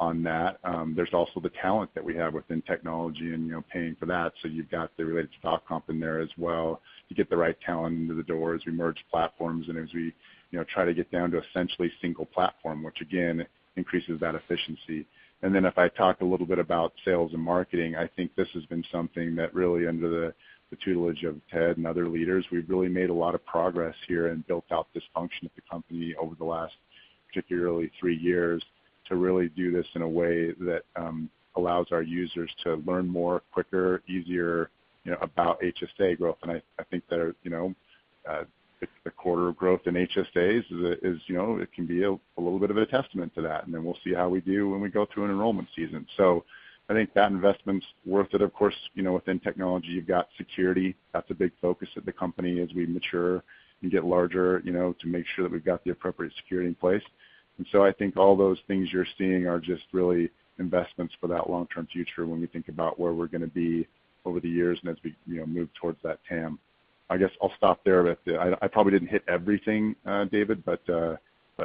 on that. There's also the talent that we have within technology and paying for that, so you've got the related stock comp in there as well to get the right talent into the door as we merge platforms and as we try to get down to essentially single platform, which again, increases that efficiency. If I talk a little bit about sales and marketing, I think this has been something that really under the tutelage of Ted and other leaders, we've really made a lot of progress here and built out this function at the company over the last, particularly three years, to really do this in a way that allows our users to learn more quicker, easier, about HSA growth. I think that the quarter of growth in HSAs, it can be a little bit of a testament to that. Then we'll see how we do when we go through an enrollment season. I think that investment's worth it. Of course, within technology, you've got security. That's a big focus of the company as we mature and get larger, to make sure that we've got the appropriate security in place. So I think all those things you're seeing are just really investments for that long-term future when we think about where we're going to be over the years and as we move towards that TAM. I guess I'll stop there. I probably didn't hit everything, David, but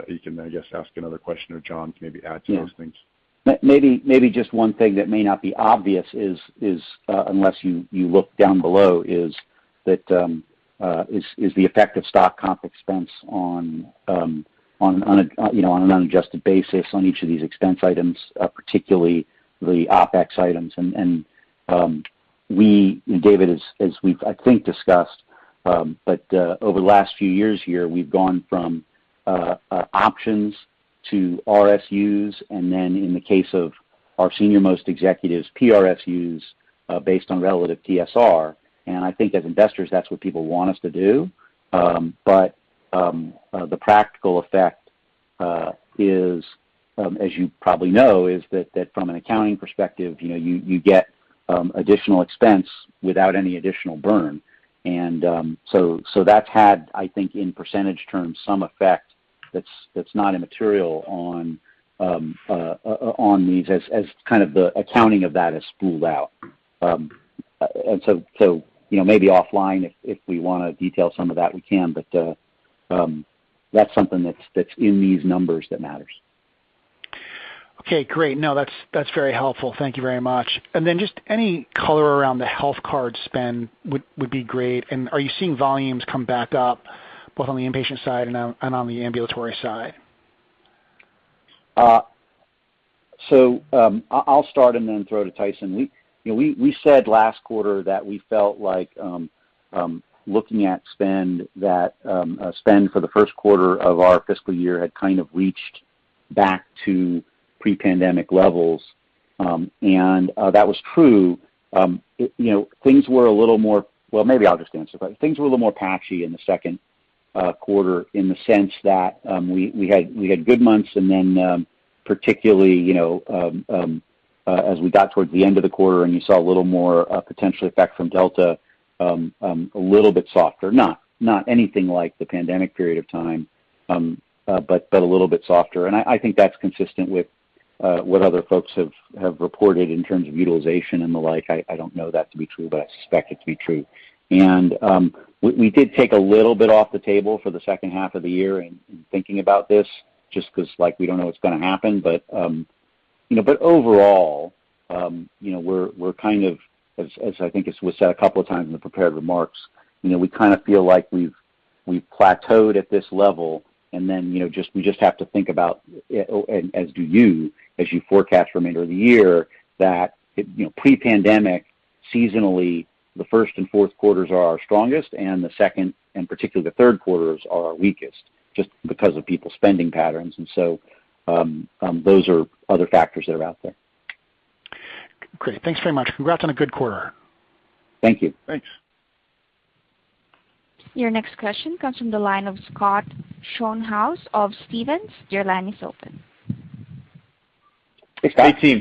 you can, I guess, ask another question or Jon can maybe add to those things. Yeah. Maybe just one thing that may not be obvious is, unless you look down below, is the effect of stock comp expense on an unadjusted basis on each of these expense items, particularly the OpEx items. David, as we've, I think, discussed, but over the last few years here, we've gone from options to RSUs, and then in the case of our senior-most executives, PRSUs, based on relative TSR. I think as investors, that's what people want us to do. The practical effect, as you probably know, is that from an accounting perspective, you get additional expense without any additional burn. That's had, I think in percentage terms, some effect that's not immaterial on these as kind of the accounting of that has spooled out. Maybe offline if we want to detail some of that, we can, but that's something that's in these numbers that matters. Okay, great. No, that's very helpful. Thank you very much. Then just any color around the health card spend would be great. Are you seeing volumes come back up both on the inpatient side and on the ambulatory side? I'll start and then throw to Tyson. We said last quarter that we felt like, looking at spend, that spend for the Q1 of our fiscal year had kind of reached back to pre-pandemic levels, and that was true. Well, maybe I'll just answer. Things were a little more patchy in the Q2 in the sense that we had good months and then, particularly, as we got towards the end of the quarter and you saw a little more potential effect from Delta, a little bit softer. Not anything like the pandemic period of time, but a little bit softer. I think that's consistent with what other folks have reported in terms of utilization and the like. I don't know that to be true, but I suspect it to be true. We did take a little bit off the table for the second half of the year in thinking about this, just because we don't know what's going to happen. Overall, we're kind of, as I think it was said a couple of times in the prepared remarks, we feel like we've plateaued at this level, and then we just have to think about, as do you, as you forecast remainder of the year, that pre-pandemic, seasonally, the first and Q4s are our strongest, and the second and particularly the Q3s are our weakest, just because of people's spending patterns. Those are other factors that are out there. Great. Thanks very much. Congrats on a good quarter. Thank you. Your next question comes from the line of Scott Schoenhaus of Stephens. Your line is open. Hey, Scott. Hey, team.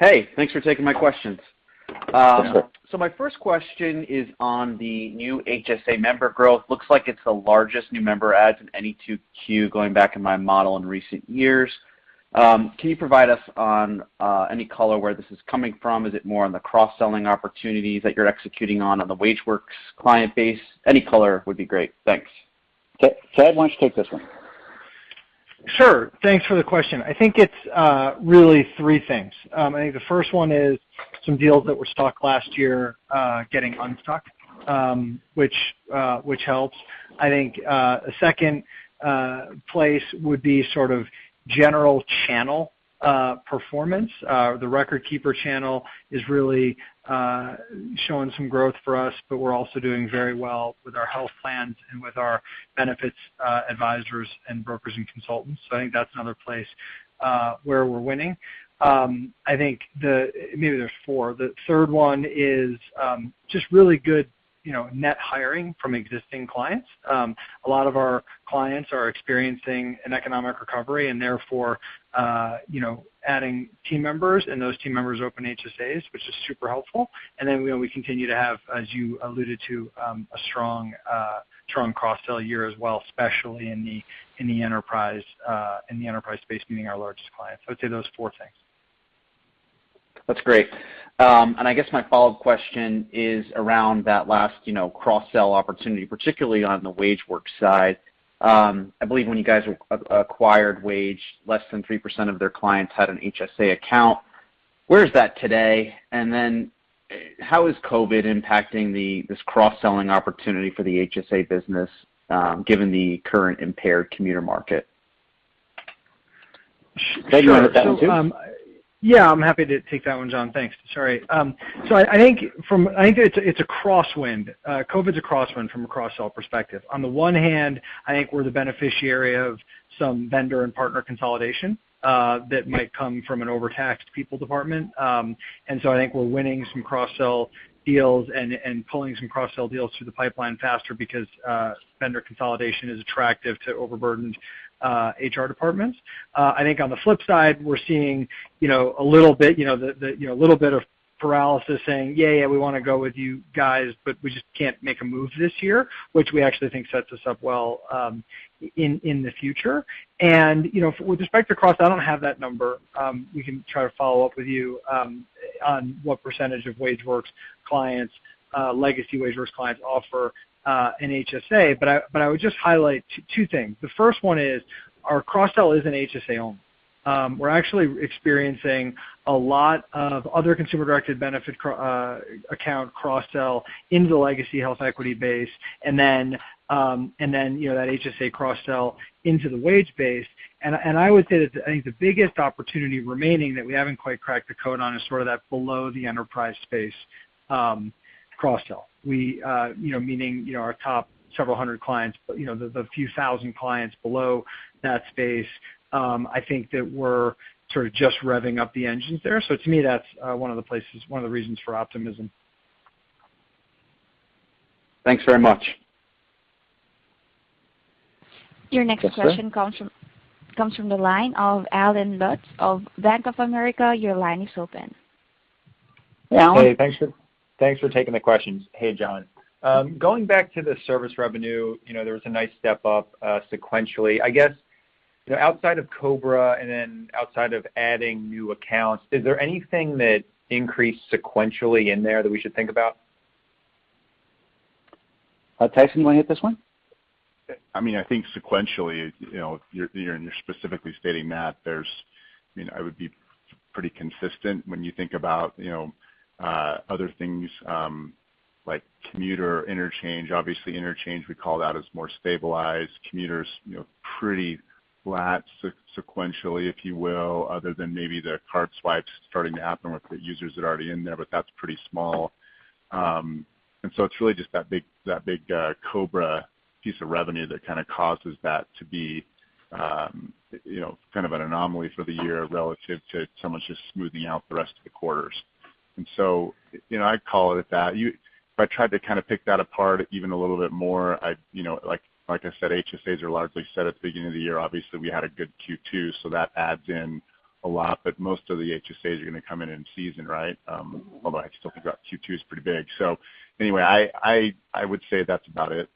Hey, thanks for taking my questions. My first question is on the new HSA member growth. Looks like it's the largest new member adds in any 2Q going back in my model in recent years. Can you provide us on any color where this is coming from? Is it more on the cross-selling opportunities that you're executing on the WageWorks client base? Any color would be great. Thanks. Ted, why don't you take this one? Sure. Thanks for the question. It's really three things. The first one is some deals that were stuck last year, getting unstuck, which helps. Second place would be sort of general channel performance. The record keeper channel is really showing some growth for us, but we're also doing very well with our health plans and with our benefits, advisors and brokers and consultants. That's another place where we're winning. Maybe there's four. The third one is just really good net hiring from existing clients. A lot of our clients are experiencing an economic recovery and therefore, adding team members and those team members open HSAs, which is super helpful. We continue to have, as you alluded to, a strong cross-sell year as well, especially in the enterprise space, meaning our largest clients. I'd say those four things. That's great. I guess my follow-up question is around that last cross-sell opportunity, particularly on the WageWorks side. I believe when you guys acquired WageWorks, less than 3% of their clients had an HSA account. Where is that today? Then how is COVID impacting this cross-selling opportunity for the HSA business, given the current impaired Commuter market? Ted, do you want to take that one, too? Yeah, I'm happy to take that one, Jon. Thanks. Sorry. I think it's a crosswind. COVID's a crosswind from a cross-sell perspective. On the one hand, I think we're the beneficiary of some vendor and partner consolidation that might come from an overtaxed people department. I think we're winning some cross-sell deals and pulling some cross-sell deals through the pipeline faster because vendor consolidation is attractive to overburdened HR departments. I think on the flip side, we're seeing a little bit of paralysis saying, "Yeah, we want to go with you guys, but we just can't make a move this year," which we actually think sets us up well in the future. With respect to cross, I don't have that number. We can try to follow up with you on what percentage of legacy WageWorks clients offer an HSA. I would just highlight two things. The first one is our cross-sell isn't HSA only. We're actually experiencing a lot of other consumer-directed benefit account cross-sell into the legacy HealthEquity base, then that HSA cross-sell into the wage base. I would say that I think the biggest opportunity remaining that we haven't quite cracked the code on is sort of that below the enterprise space cross-sell. Meaning our top several hundred clients, the few thousand clients below that space. I think that we're sort of just revving up the engines there. To me, that's one of the reasons for optimism. Thanks very much. Your next question comes from the line of Allen Lutz of Bank of America. Your line is open. Hey Allen. Thanks for taking the questions. Hey, Jon. Going back to the service revenue, there was a nice step-up sequentially. I guess, outside of COBRA and then outside of adding new accounts, is there anything that increased sequentially in there that we should think about? Tyson, you want to hit this one? I think sequentially, and you're specifically stating that, I would be pretty consistent when you think about other things like Commuter, interchange. Obviously, interchange we call that as more stabilized. Commuter, pretty flat sequentially, if you will, other than maybe the card swipes starting to happen with the users that are already in there, but that's pretty small. It's really just that big COBRA piece of revenue that kind of causes that to be kind of an anomaly for the year relative to so much just smoothing out the rest of the quarters. I'd call it at that. If I tried to kind of pick that apart even a little bit more, like I said, HSAs are largely set at the beginning of the year. Obviously, we had a good Q2, so that adds in a lot. Most of the HSAs are going to come in in season, right? Although I still think Q2's pretty big. Anyway, I would say that's about it.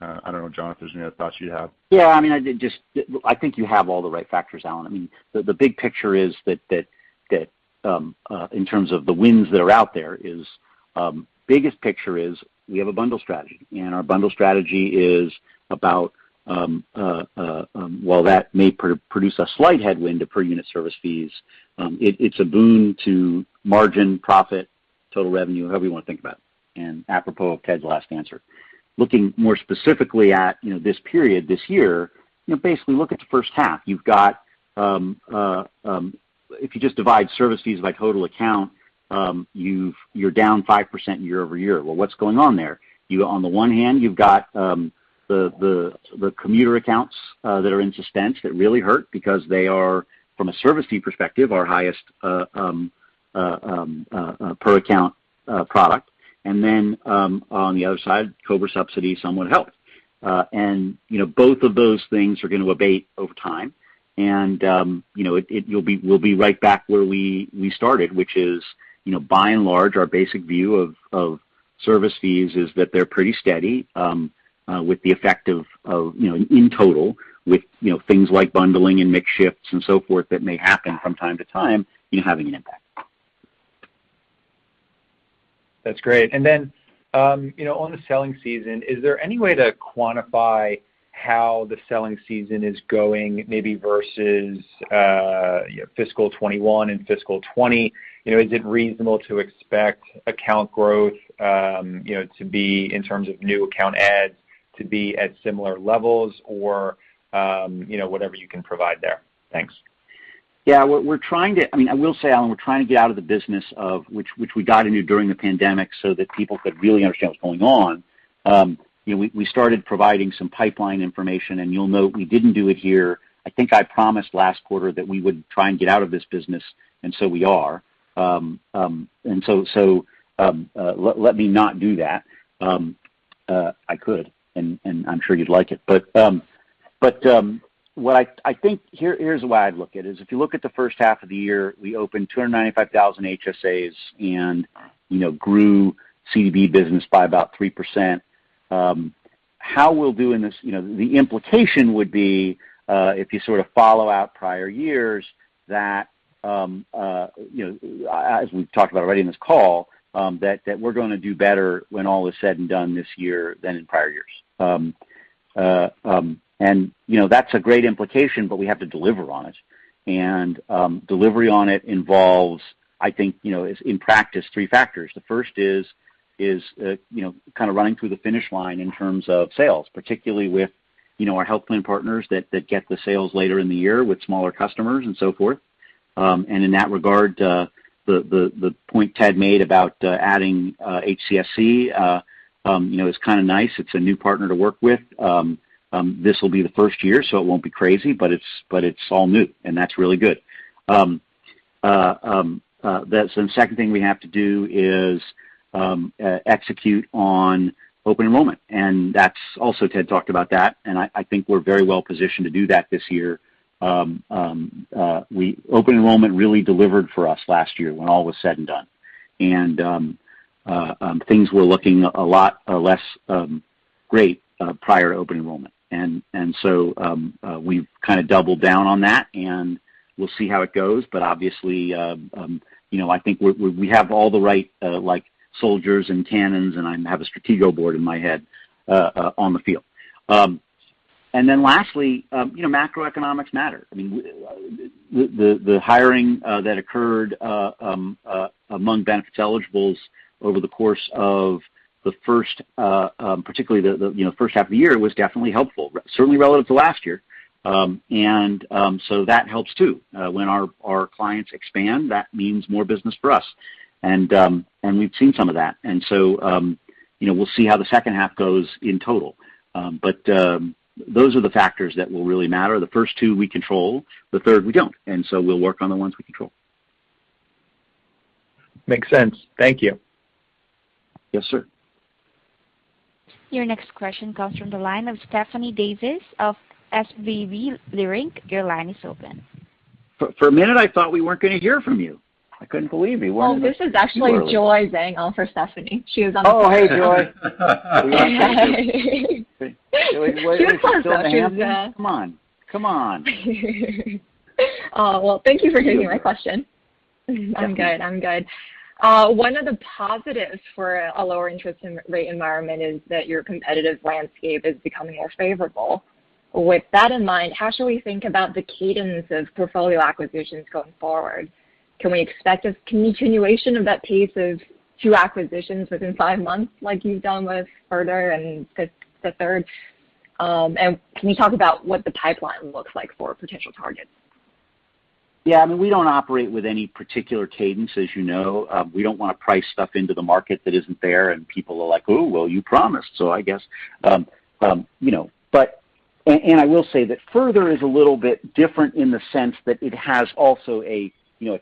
I don't know, Jon, if there's any other thoughts you have. Yeah. I think you have all the right factors, Allen. The big picture is that in terms of the winds that are out there is, biggest picture is we have a bundle strategy. Our bundle strategy is about, while that may produce a slight headwind to per unit service fees, it's a boon to margin, profit, total revenue, however you want to think about it. Apropos of Ted's last answer. Looking more specifically at this period this year, basically look at the first half. If you just divide service fees by total account, you're down 5% year-over-year. Well, what's going on there? On the one hand, you've got the Commuter accounts that are in suspense, that really hurt because they are, from a service fee perspective, our highest per account product. Then on the other side, COBRA subsidy somewhat helped. Both of those things are going to abate over time. We'll be right back where we started, which is, by and large, our basic view of service fees is that they're pretty steady with the effect of, in total with things like bundling and mix shifts and so forth that may happen from time to time, having an impact. That's great. On the selling season, is there any way to quantify how the selling season is going, maybe versus fiscal 2021 and fiscal 2020? Is it reasonable to expect account growth to be, in terms of new account adds, to be at similar levels or whatever you can provide there? Thanks. Yeah. I will say, Allen, we're trying to get out of the business of which we got into during the pandemic so that people could really understand what's going on. We started providing some pipeline information, you'll note we didn't do it here. I think I promised last quarter that we would try and get out of this business, and so we are. Let me not do that. I could, and I'm sure you'd like it. I think here's the way I'd look at it is if you look at the first half of the year, we opened 295,000 HSAs and grew CDB business by about 3%. How we'll do in this, the implication would be, if you sort of follow out prior years, that as we've talked about already in this call, that we're going to do better when all is said and done this year than in prior years. That's a great implication, but we have to deliver on it. Delivery on it involves, I think, in practice, three factors. The first is kind of running through the finish line in terms of sales, particularly with our health plan partners that get the sales later in the year with smaller customers and so forth. In that regard, the point Ted made about adding HCSC is kind of nice. It's a new partner to work with. This will be the first year, so it won't be crazy, but it's all new, and that's really good. The second thing we have to do is execute on open enrollment, and also Ted talked about that, and I think we're very well positioned to do that this year. Open enrollment really delivered for us last year when all was said and done. Things were looking a lot less great prior to open enrollment. We've kind of doubled down on that, and we'll see how it goes, but obviously, I think we have all the right soldiers and cannons, and I have a Stratego board in my head on the field. Lastly, macroeconomics matter. The hiring that occurred among benefits eligibles over the course of particularly the first half of the year was definitely helpful, certainly relative to last year. That helps too. When our clients expand, that means more business for us. We've seen some of that. We'll see how the second half goes in total. Those are the factors that will really matter. The first two we control, the third we don't, we'll work on the ones we control. Makes sense. Thank you. Yes, sir. Your next question comes from the line of Stephanie Davis of SVB Leerink. Your line is open. For a minute, I thought we weren't going to hear from you. I couldn't believe you. Where were you? Well, this is actually Joy Zhang in for Stephanie. She was on- Oh, hey, Joy. Hi. Wait, is this still happening? Come on. Come on. Well, thank you for taking my question. How are you? I'm good. One of the positives for a lower interest rate environment is that your competitive landscape is becoming more favorable. With that in mind, how should we think about the cadence of portfolio acquisitions going forward? Can we expect a continuation of that pace of two acquisitions within five months like you've done with Further and Fifth Third? Can you talk about what the pipeline looks like for potential targets? Yeah. We don't operate with any particular cadence, as you know. We don't want to price stuff into the market that isn't there and people are like, "Ooh, well, you promised." I will say that Further is a little bit different in the sense that it has also a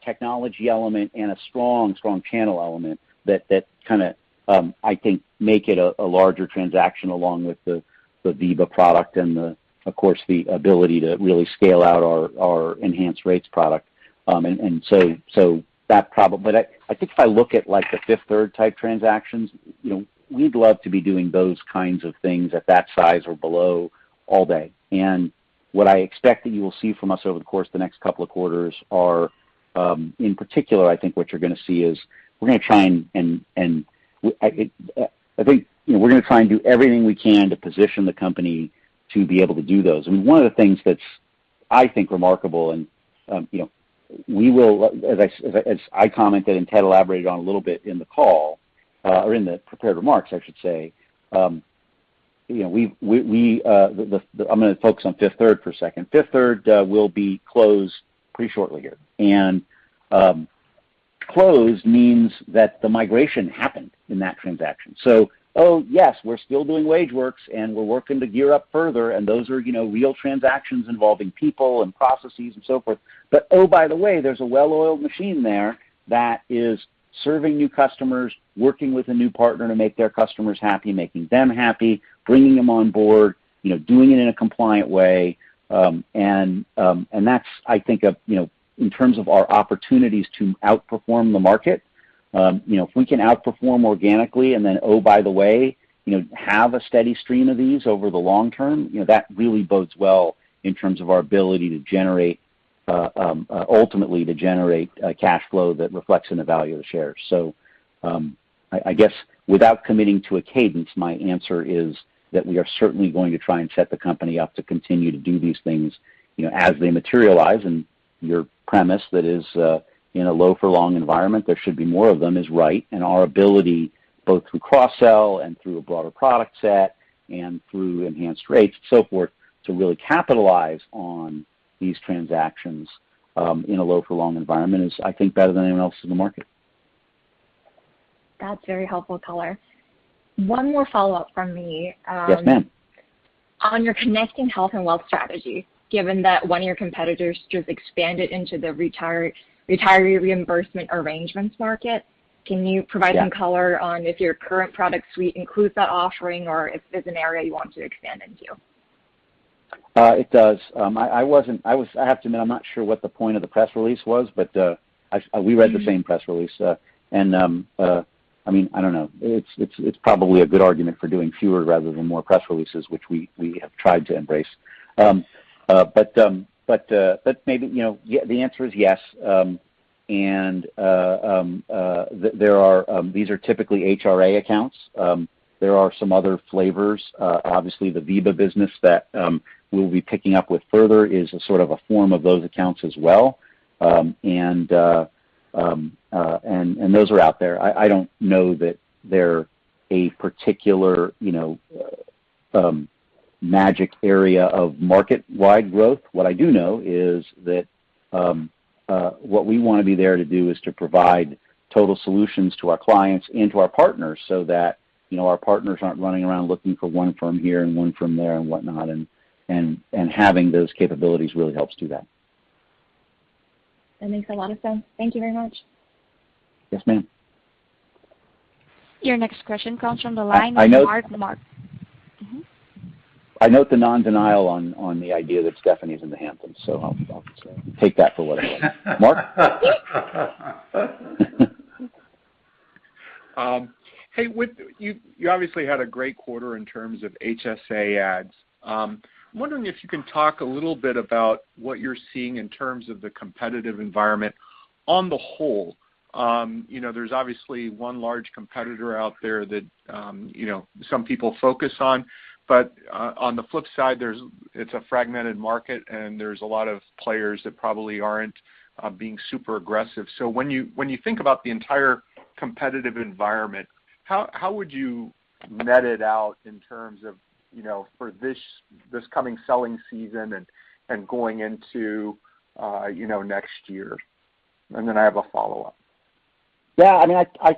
technology element and a strong channel element that kind of, I think make it a larger transaction along with the VEBA product and of course, the ability to really scale out our enhanced rates product. I think if I look at like the Fifth Third Bank type transactions, we'd love to be doing those kinds of things at that size or below all day. What I expect that you will see from us over the course of the next couple of quarters are, in particular, I think what you're going to see is we're going to try and do everything we can to position the company to be able to do those. One of the things that's, I think remarkable, and as I commented and Ted elaborated on a little bit in the call, or in the prepared remarks, I should say. I'm going to focus on Fifth Third for a second. Fifth Third will be closed pretty shortly here, and closed means that the migration happened in that transaction. Yes, we're still doing WageWorks, and we're working to gear up Further, and those are real transactions involving people and processes and so forth. Oh, by the way, there's a well-oiled machine there that is serving new customers, working with a new partner to make their customers happy, making them happy, bringing them on board, doing it in a compliant way. That's, I think, in terms of our opportunities to outperform the market. If we can outperform organically and then, oh, by the way, have a steady stream of these over the long term, that really bodes well in terms of our ability, ultimately, to generate cash flow that reflects in the value of the shares. I guess without committing to a cadence, my answer is that we are certainly going to try and set the company up to continue to do these things as they materialize, and your premise that is in a low for long environment, there should be more of them, is right. Our ability both to cross-sell and through a broader product set and through enhanced rates and so forth to really capitalize on these transactions in a low for long environment is, I think, better than anyone else in the market. That's very helpful color. One more follow-up from me. Yes, ma'am. On your connecting health and wealth strategy, given that one of your competitors just expanded into the retiree reimbursement arrangements market, can you provide some color on if your current product suite includes that offering or if it's an area you want to expand into? It does. I have to admit, I'm not sure what the point of the press release was, but we read the same press release. I don't know. It's probably a good argument for doing fewer rather than more press releases, which we have tried to embrace. Maybe the answer is yes. These are typically HRA accounts. There are some other flavors. Obviously, the VEBA business that we'll be picking up with Further is a sort of a form of those accounts as well, and those are out there. I don't know that they're a particular magic area of market-wide growth. What I do know is that what we want to be there to do is to provide total solutions to our clients and to our partners so that our partners aren't running around looking for one firm here and one firm there and whatnot, and having those capabilities really helps do that. That makes a lot of sense. Thank you very much. Yes, ma'am. Your next question comes from the line with Mark. I note the non-denial on the idea that Stephanie's in the Hamptons, so take that for what it is. Mark? Hey. You obviously had a great quarter in terms of HSA ads. I'm wondering if you can talk a little bit about what you're seeing in terms of the competitive environment on the whole. There's obviously one large competitor out there that some people focus on. On the flip side, it's a fragmented market and there's a lot of players that probably aren't being super aggressive. When you think about the entire competitive environment, how would you net it out in terms of for this coming selling season and going into next year? I have a follow-up. Yeah. I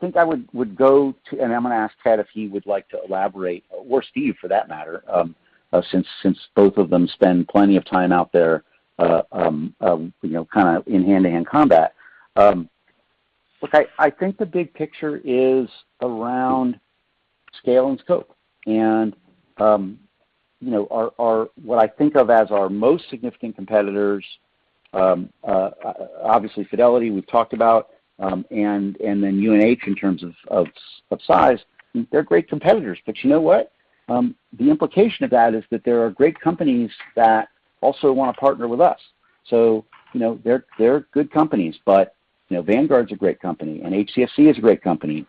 think I would go to and I'm going to ask Ted if he would like to elaborate, or Steve for that matter, since both of them spend plenty of time out there kind of in hand-to-hand combat. Look, I think the big picture is around scale and scope. What I think of as our most significant competitors, obviously Fidelity we've talked about, and then UNH in terms of size, they're great competitors. You know what? The implication of that is that there are great companies that also want to partner with us. They're good companies, but Vanguard's a great company, and HCSC is a great company,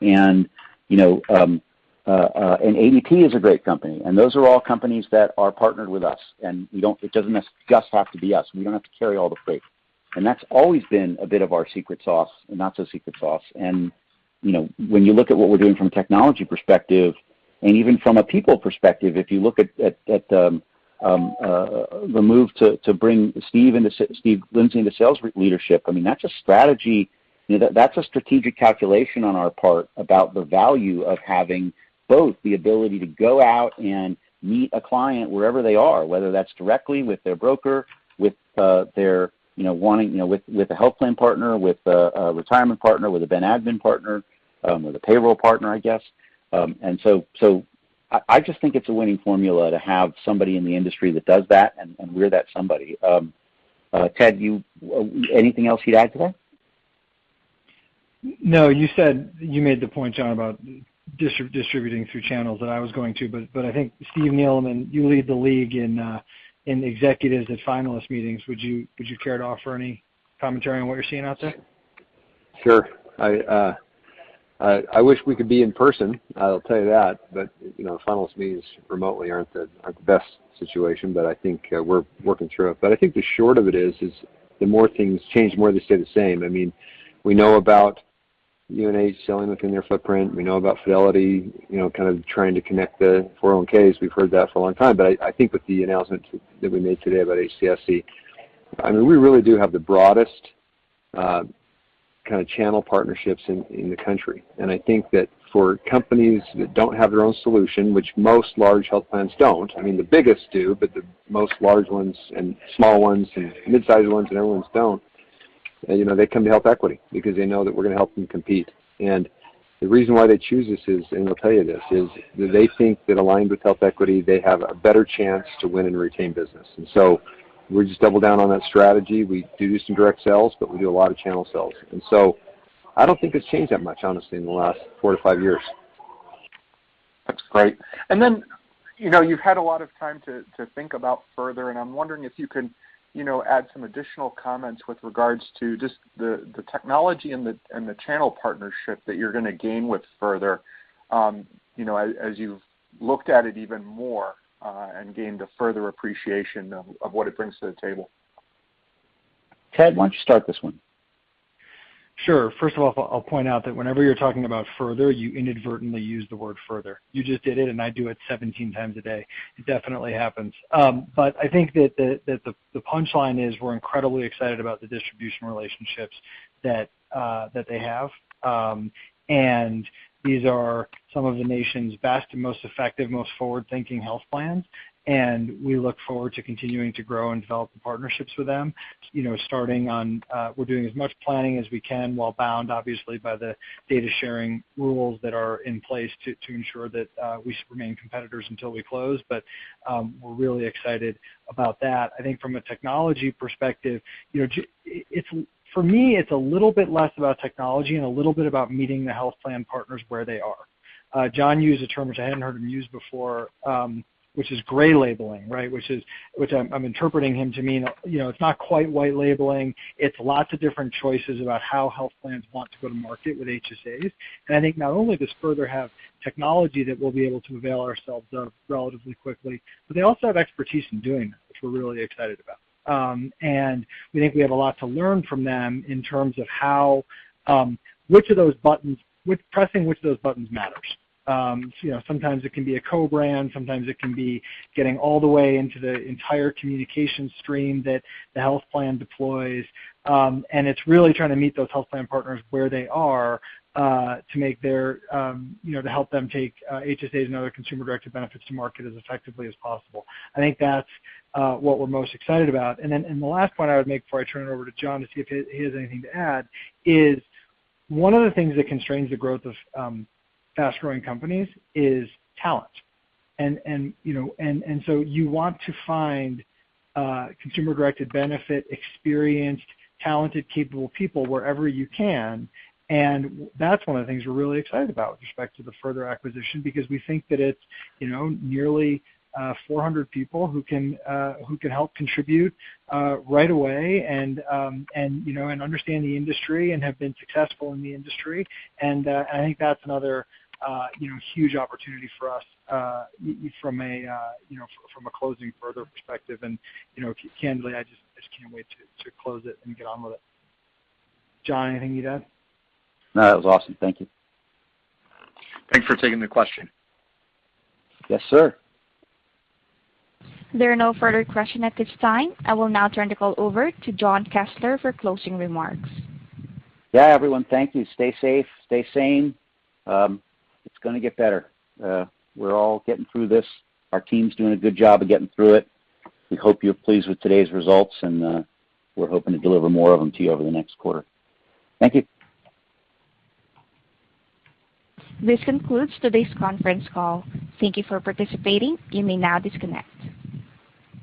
and ADP is a great company, and those are all companies that are partnered with us, and it doesn't just have to be us. We don't have to carry all the freight. That's always been a bit of our secret sauce and not-so-secret sauce. When you look at what we're doing from a technology perspective and even from a people perspective, if you look at the move to bring Steve Lindsay into sales leadership, that's a strategic calculation on our part about the value of having both the ability to go out and meet a client wherever they are, whether that's directly with their broker, with a health plan partner, with a retirement partner, with a benef admin partner, with a payroll partner, I guess. I just think it's a winning formula to have somebody in the industry that does that, and we're that somebody. Ted, anything else you'd add to that? No, you made the point, Jon, about distributing through channels that I was going to, but I think Steve Neeleman, you lead the league in executives at finalist meetings. Would you care to offer any commentary on what you're seeing out there? Sure. I wish we could be in person, I'll tell you that, but finalist meetings remotely aren't the best situation, but I think we're working through it. I think the short of it is, the more things change, the more they stay the same. We know about UNH selling within their footprint. We know about Fidelity, kind of trying to connect the 401(k)s. We've heard that for a long time. I think with the announcement that we made today about HCSC, we really do have the broadest kind of channel partnerships in the country. I think that for companies that don't have their own solution, which most large health plans don't, the biggest do, but the most large ones and small ones and mid-sized ones and everyone's don't, they come to HealthEquity because they know that we're going to help them compete. The reason why they choose us is, and they'll tell you this, is that they think that aligned with HealthEquity, they have a better chance to win and retain business. We just double down on that strategy. We do some direct sales, but we do a lot of channel sales. I don't think it's changed that much, honestly, in the last four to five years. That's great. You've had a lot of time to think about Further, and I'm wondering if you can add some additional comments with regards to just the technology and the channel partnership that you're going to gain with Further as you've looked at it even more, and gained a further appreciation of what it brings to the table. Ted, why don't you start this one? Sure. First of all, I'll point out that whenever you're talking about Further, you inadvertently use the word Further. You just did it, and I do it 17 times a day. It definitely happens. I think that the punchline is we're incredibly excited about the distribution relationships that they have. These are some of the nation's best and most effective, most forward-thinking health plans, and we look forward to continuing to grow and develop the partnerships with them. We're doing as much planning as we can while bound obviously by the data sharing rules that are in place to ensure that we remain competitors until we close. We're really excited about that. I think from a technology perspective, for me, it's a little bit less about technology and a little bit about meeting the health plan partners where they are. Jon used a term which I hadn't heard him use before, which is gray labeling, right? Which I'm interpreting him to mean, it's not quite white labeling. It's lots of different choices about how health plans want to go to market with HSAs. I think not only does Further have technology that we'll be able to avail ourselves of relatively quickly, but they also have expertise in doing that, which we're really excited about. We think we have a lot to learn from them in terms of which of those buttons, pressing which of those buttons matters. Sometimes it can be a co-brand, sometimes it can be getting all the way into the entire communication stream that the health plan deploys. It's really trying to meet those health plan partners where they are, to help them take HSAs and other consumer-directed benefits to market as effectively as possible. I think that's what we're most excited about. The last point I would make before I turn it over to Jon to see if he has anything to add is, one of the things that constrains the growth of fast-growing companies is talent. You want to find consumer-directed benefit experienced, talented, capable people wherever you can. That's one of the things we're really excited about with respect to the Further acquisition, because we think that it's nearly 400 people who can help contribute right away and understand the industry and have been successful in the industry. I think that's another huge opportunity for us from a closing Further perspective. Candidly, I just can't wait to close it and get on with it. Jon, anything you'd add? No, that was awesome. Thank you. Thanks for taking the question. Yes, sir. There are no further question at this time. I will now turn the call over to Jon Kessler for closing remarks. Yeah, everyone, thank you. Stay safe, stay sane. It's gonna get better. We're all getting through this. Our team's doing a good job of getting through it. We hope you're pleased with today's results, and we're hoping to deliver more of them to you over the next quarter. Thank you. This concludes today's conference call. Thank you for participating. You may now disconnect.